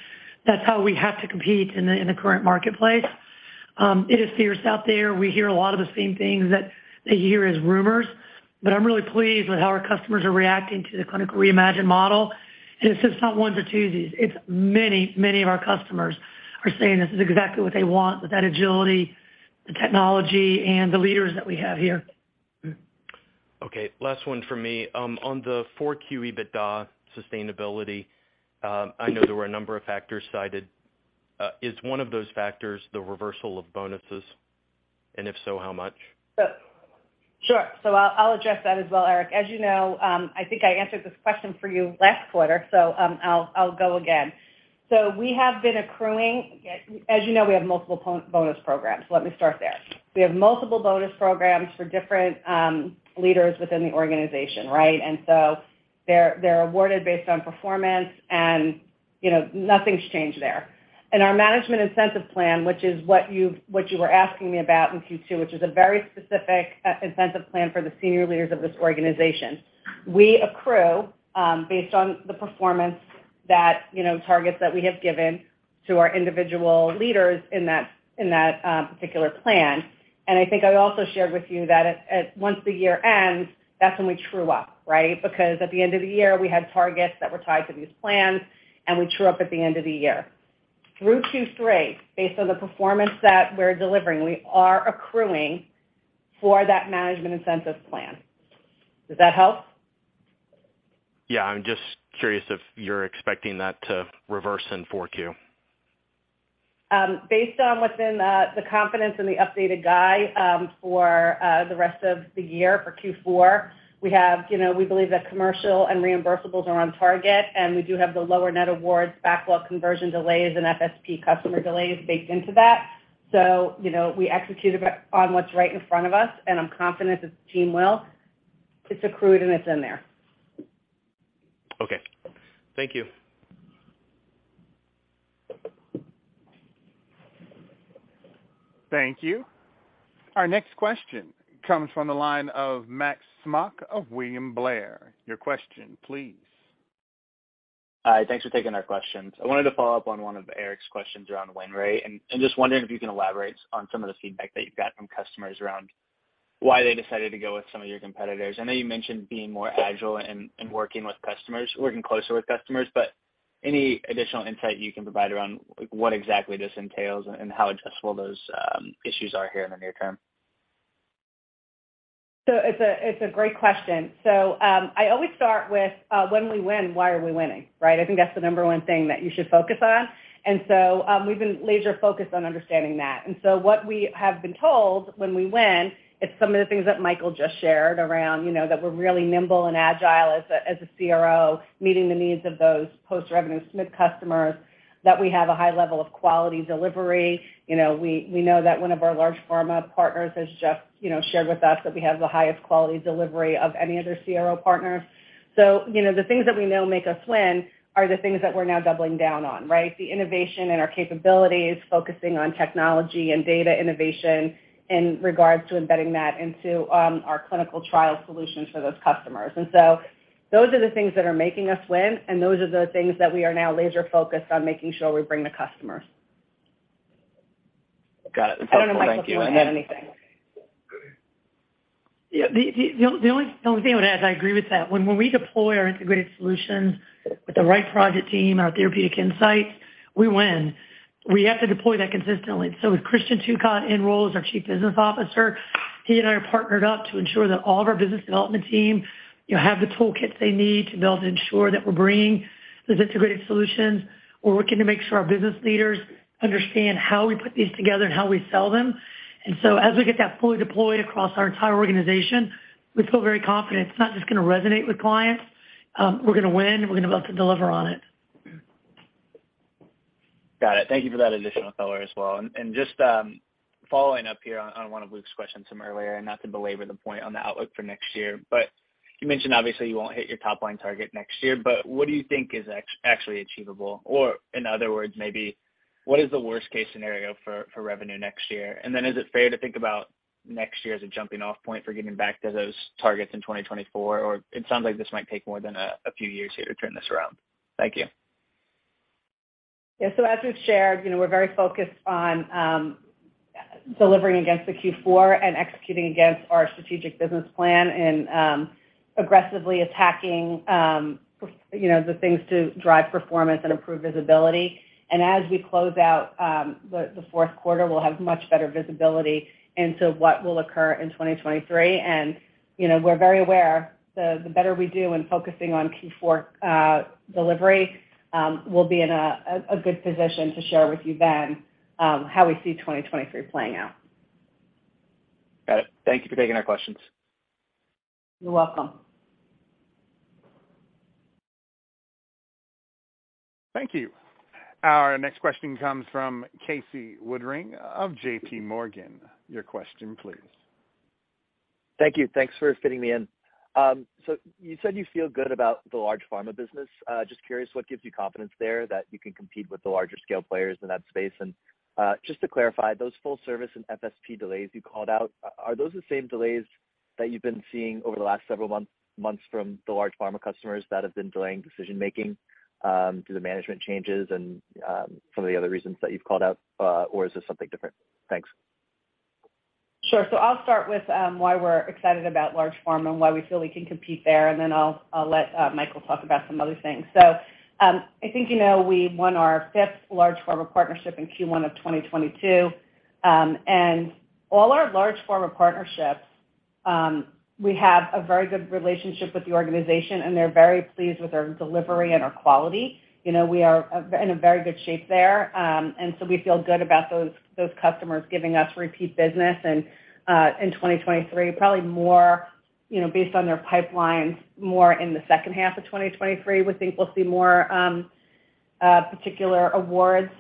G: That's how we have to compete in the current marketplace. It is fierce out there. We hear a lot of the same things that they hear as rumors, but I'm really pleased with how our customers are reacting to the Clinical Reimagined model. It's just not ones or twosies, it's many, many of our customers are saying this is exactly what they want with that agility, the technology and the leaders that we have here.
L: Okay, last one for me. On the 4Q EBITDA sustainability, I know there were a number of factors cited. Is one of those factors the reversal of bonuses? And if so, how much?
C: Sure. So I'll address that as well, Eric. As you know, I think I answered this question for you last quarter, so, I'll go again. We have been accruing. As you know, we have multiple bonus programs. Let me start there. We have multiple bonus programs for different leaders within the organization, right? They're awarded based on performance and, you know, nothing's changed there. In our management incentive plan, which is what you were asking me about in Q2, which is a very specific incentive plan for the senior leaders of this organization. We accrue based on the performance that, you know, targets that we have given to our individual leaders in that particular plan. I think I also shared with you that at once the year ends, that's when we true up, right? Because at the end of the year, we had targets that were tied to these plans, and we true up at the end of the year. Through two straight, based on the performance that we're delivering, we are accruing for that management incentive plan. Does that help?
L: Yeah. I'm just curious if you're expecting that to reverse in 4Q?
C: Based on the confidence in the updated guide for the rest of the year for Q4, we have, you know, we believe that commercial and reimbursables are on target, and we do have the lower net awards, backlog conversion delays and FSP customer delays baked into that. You know, we execute a bit on what's right in front of us, and I'm confident this team will. It's accrued and it's in there.
L: Okay. Thank you.
A: Thank you. Our next question comes from the line of Max Smock of William Blair. Your question please.
M: Hi. Thanks for taking our questions. I wanted to follow up on one of Eric's questions around win rate, and just wondering if you can elaborate on some of the feedback that you've got from customers around why they decided to go with some of your competitors. I know you mentioned being more agile in working with customers, working closer with customers, but any additional insight you can provide around what exactly this entails and how adjustable those issues are here in the near term?
C: It's a great question. I always start with when we win, why are we winning, right? I think that's the number one thing that you should focus on. We've been laser focused on understanding that. What we have been told when we win, it's some of the things that Michael just shared around, you know, that we're really nimble and agile as a CRO, meeting the needs of those post-revenue SMID customers, that we have a high level of quality delivery. You know, we know that one of our large pharma partners has just, you know, shared with us that we have the highest quality delivery of any other CRO partner. You know, the things that we know make us win are the things that we're now doubling down on, right? The innovation and our capabilities, focusing on technology and data innovation in regards to embedding that into our clinical trial solutions for those customers. Those are the things that are making us win, and those are the things that we are now laser focused on making sure we bring to customers.
M: Got it. Thank you.
C: I don't know, Michael, if you wanna add anything.
G: Yeah. The only thing I would add, I agree with that. When we deploy our integrated solutions with the right project team, our therapeutic insights, we win. We have to deploy that consistently. As Christian Tucat, our Chief Business Officer, he and I are partnered up to ensure that all of our business development team, you know, have the toolkit they need to be able to ensure that we're bringing those integrated solutions. We're working to make sure our business leaders understand how we put these together and how we sell them. As we get that fully deployed across our entire organization, we feel very confident it's not just gonna resonate with clients, we're gonna win, we're gonna be able to deliver on it.
M: Got it. Thank you for that additional color as well. Just following up here on one of Luke's questions from earlier, and not to belabor the point on the outlook for next year, but you mentioned obviously you won't hit your top line target next year, but what do you think is actually achievable? Or in other words, maybe what is the worst case scenario for revenue next year? Then is it fair to think about next year as a jumping off point for getting back to those targets in 2024? Or it sounds like this might take more than a few years here to turn this around. Thank you.
C: Yeah. As we've shared, you know, we're very focused on delivering against the Q4 and executing against our strategic business plan and aggressively attacking you know, the things to drive performance and improve visibility. As we close out the fourth quarter, we'll have much better visibility into what will occur in 2023. You know, we're very aware the better we do in focusing on Q4 delivery, we'll be in a good position to share with you then how we see 2023 playing out.
M: Got it. Thank you for taking our questions.
C: You're welcome.
A: Thank you. Our next question comes from Casey Woodring of J.P. Morgan. Your question please.
N: Thank you. Thanks for fitting me in. So you said you feel good about the large pharma business. Just curious what gives you confidence there that you can compete with the larger scale players in that space? Just to clarify, those full service and FSP delays you called out, are those the same delays that you've been seeing over the last several months from the large pharma customers that have been delaying decision-making, due to management changes and some of the other reasons that you've called out? Or is this something different? Thanks.
C: Sure. I'll start with why we're excited about large pharma and why we feel we can compete there, and then I'll let Michael talk about some other things. I think you know we won our fifth large pharma partnership in Q1 of 2022. All our large pharma partnerships, we have a very good relationship with the organization, and they're very pleased with our delivery and our quality. You know, we are in a very good shape there. We feel good about those customers giving us repeat business. In 2023, probably more, you know, based on their pipelines, more in the second half of 2023, we think we'll see more particular awards.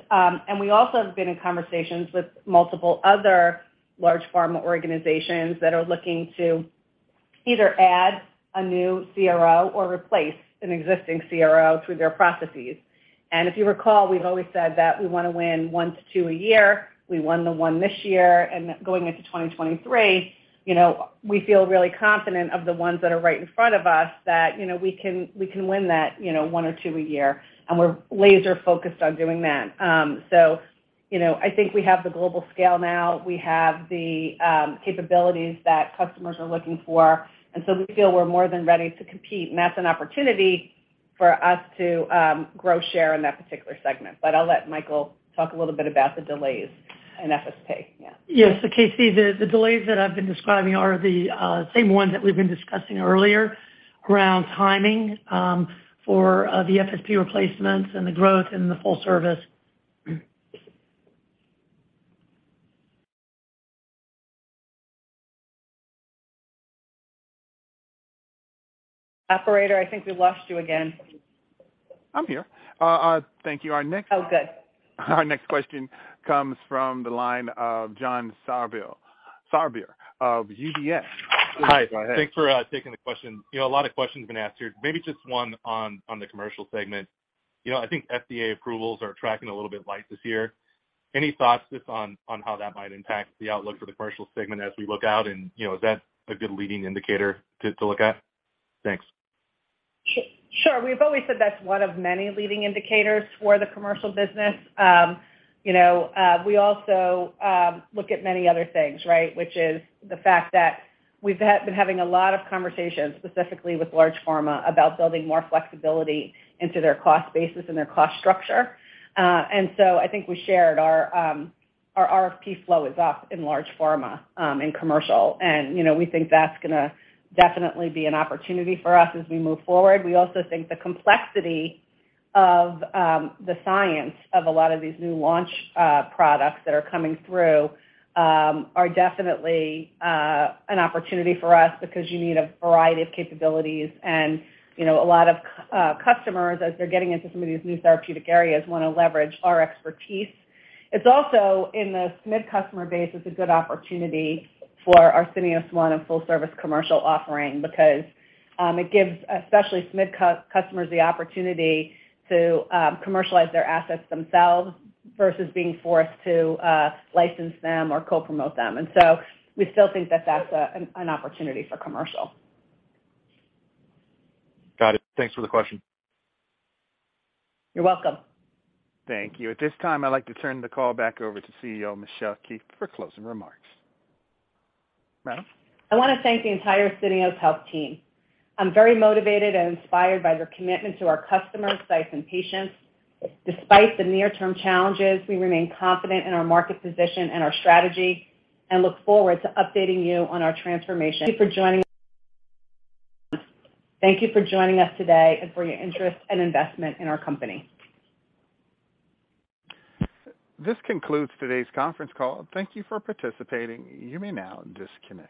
C: We also have been in conversations with multiple other large pharma organizations that are looking to either add a new CRO or replace an existing CRO through their processes. If you recall, we've always said that we wanna win 1-2 a year. We won the 1 this year, and going into 2023, you know, we feel really confident of the ones that are right in front of us that, you know, we can win that, you know, 1 or 2 a year, and we're laser focused on doing that. You know, I think we have the global scale now. We have the capabilities that customers are looking for, and so we feel we're more than ready to compete, and that's an opportunity for us to grow share in that particular segment. I'll let Michael talk a little bit about the delays in FSP. Yeah.
G: Yes. Casey, the delays that I've been describing are the same ones that we've been discussing earlier around timing for the FSP replacements and the growth in the full service.
C: Operator, I think we lost you again.
A: I'm here. Thank you. Our next-
C: Oh, good.
A: Our next question comes from the line of John Sourbeer of UBS. Please go ahead.
O: Hi. Thanks for taking the question. You know, a lot of questions have been asked here. Maybe just one on the commercial segment. You know, I think FDA approvals are tracking a little bit light this year. Any thoughts just on how that might impact the outlook for the commercial segment as we look out? You know, is that a good leading indicator to look at? Thanks.
C: Sure. We've always said that's one of many leading indicators for the commercial business. You know, we also look at many other things, right? Which is the fact that we've been having a lot of conversations, specifically with large pharma, about building more flexibility into their cost basis and their cost structure. I think we shared our RFP flow is up in large pharma in commercial. You know, we think that's gonna definitely be an opportunity for us as we move forward. We also think the complexity of the science of a lot of these new launch products that are coming through are definitely an opportunity for us because you need a variety of capabilities, and, you know, a lot of customers, as they're getting into some of these new therapeutic areas, wanna leverage our expertise. It's also in the SMID customer base is a good opportunity for our Syneos One and full service commercial offering because it gives, especially SMID customers, the opportunity to commercialize their assets themselves versus being forced to license them or co-promote them. We still think that that's an opportunity for commercial.
O: Got it. Thanks for the question.
C: You're welcome.
A: Thank you. At this time, I'd like to turn the call back over to CEO Michelle Keefe for closing remarks. Madam.
C: I wanna thank the entire Syneos Health team. I'm very motivated and inspired by their commitment to our customers, sites and patients. Despite the near-term challenges, we remain confident in our market position and our strategy and look forward to updating you on our transformation. Thank you for joining us today and for your interest and investment in our company.
A: This concludes today's conference call. Thank you for participating. You may now disconnect.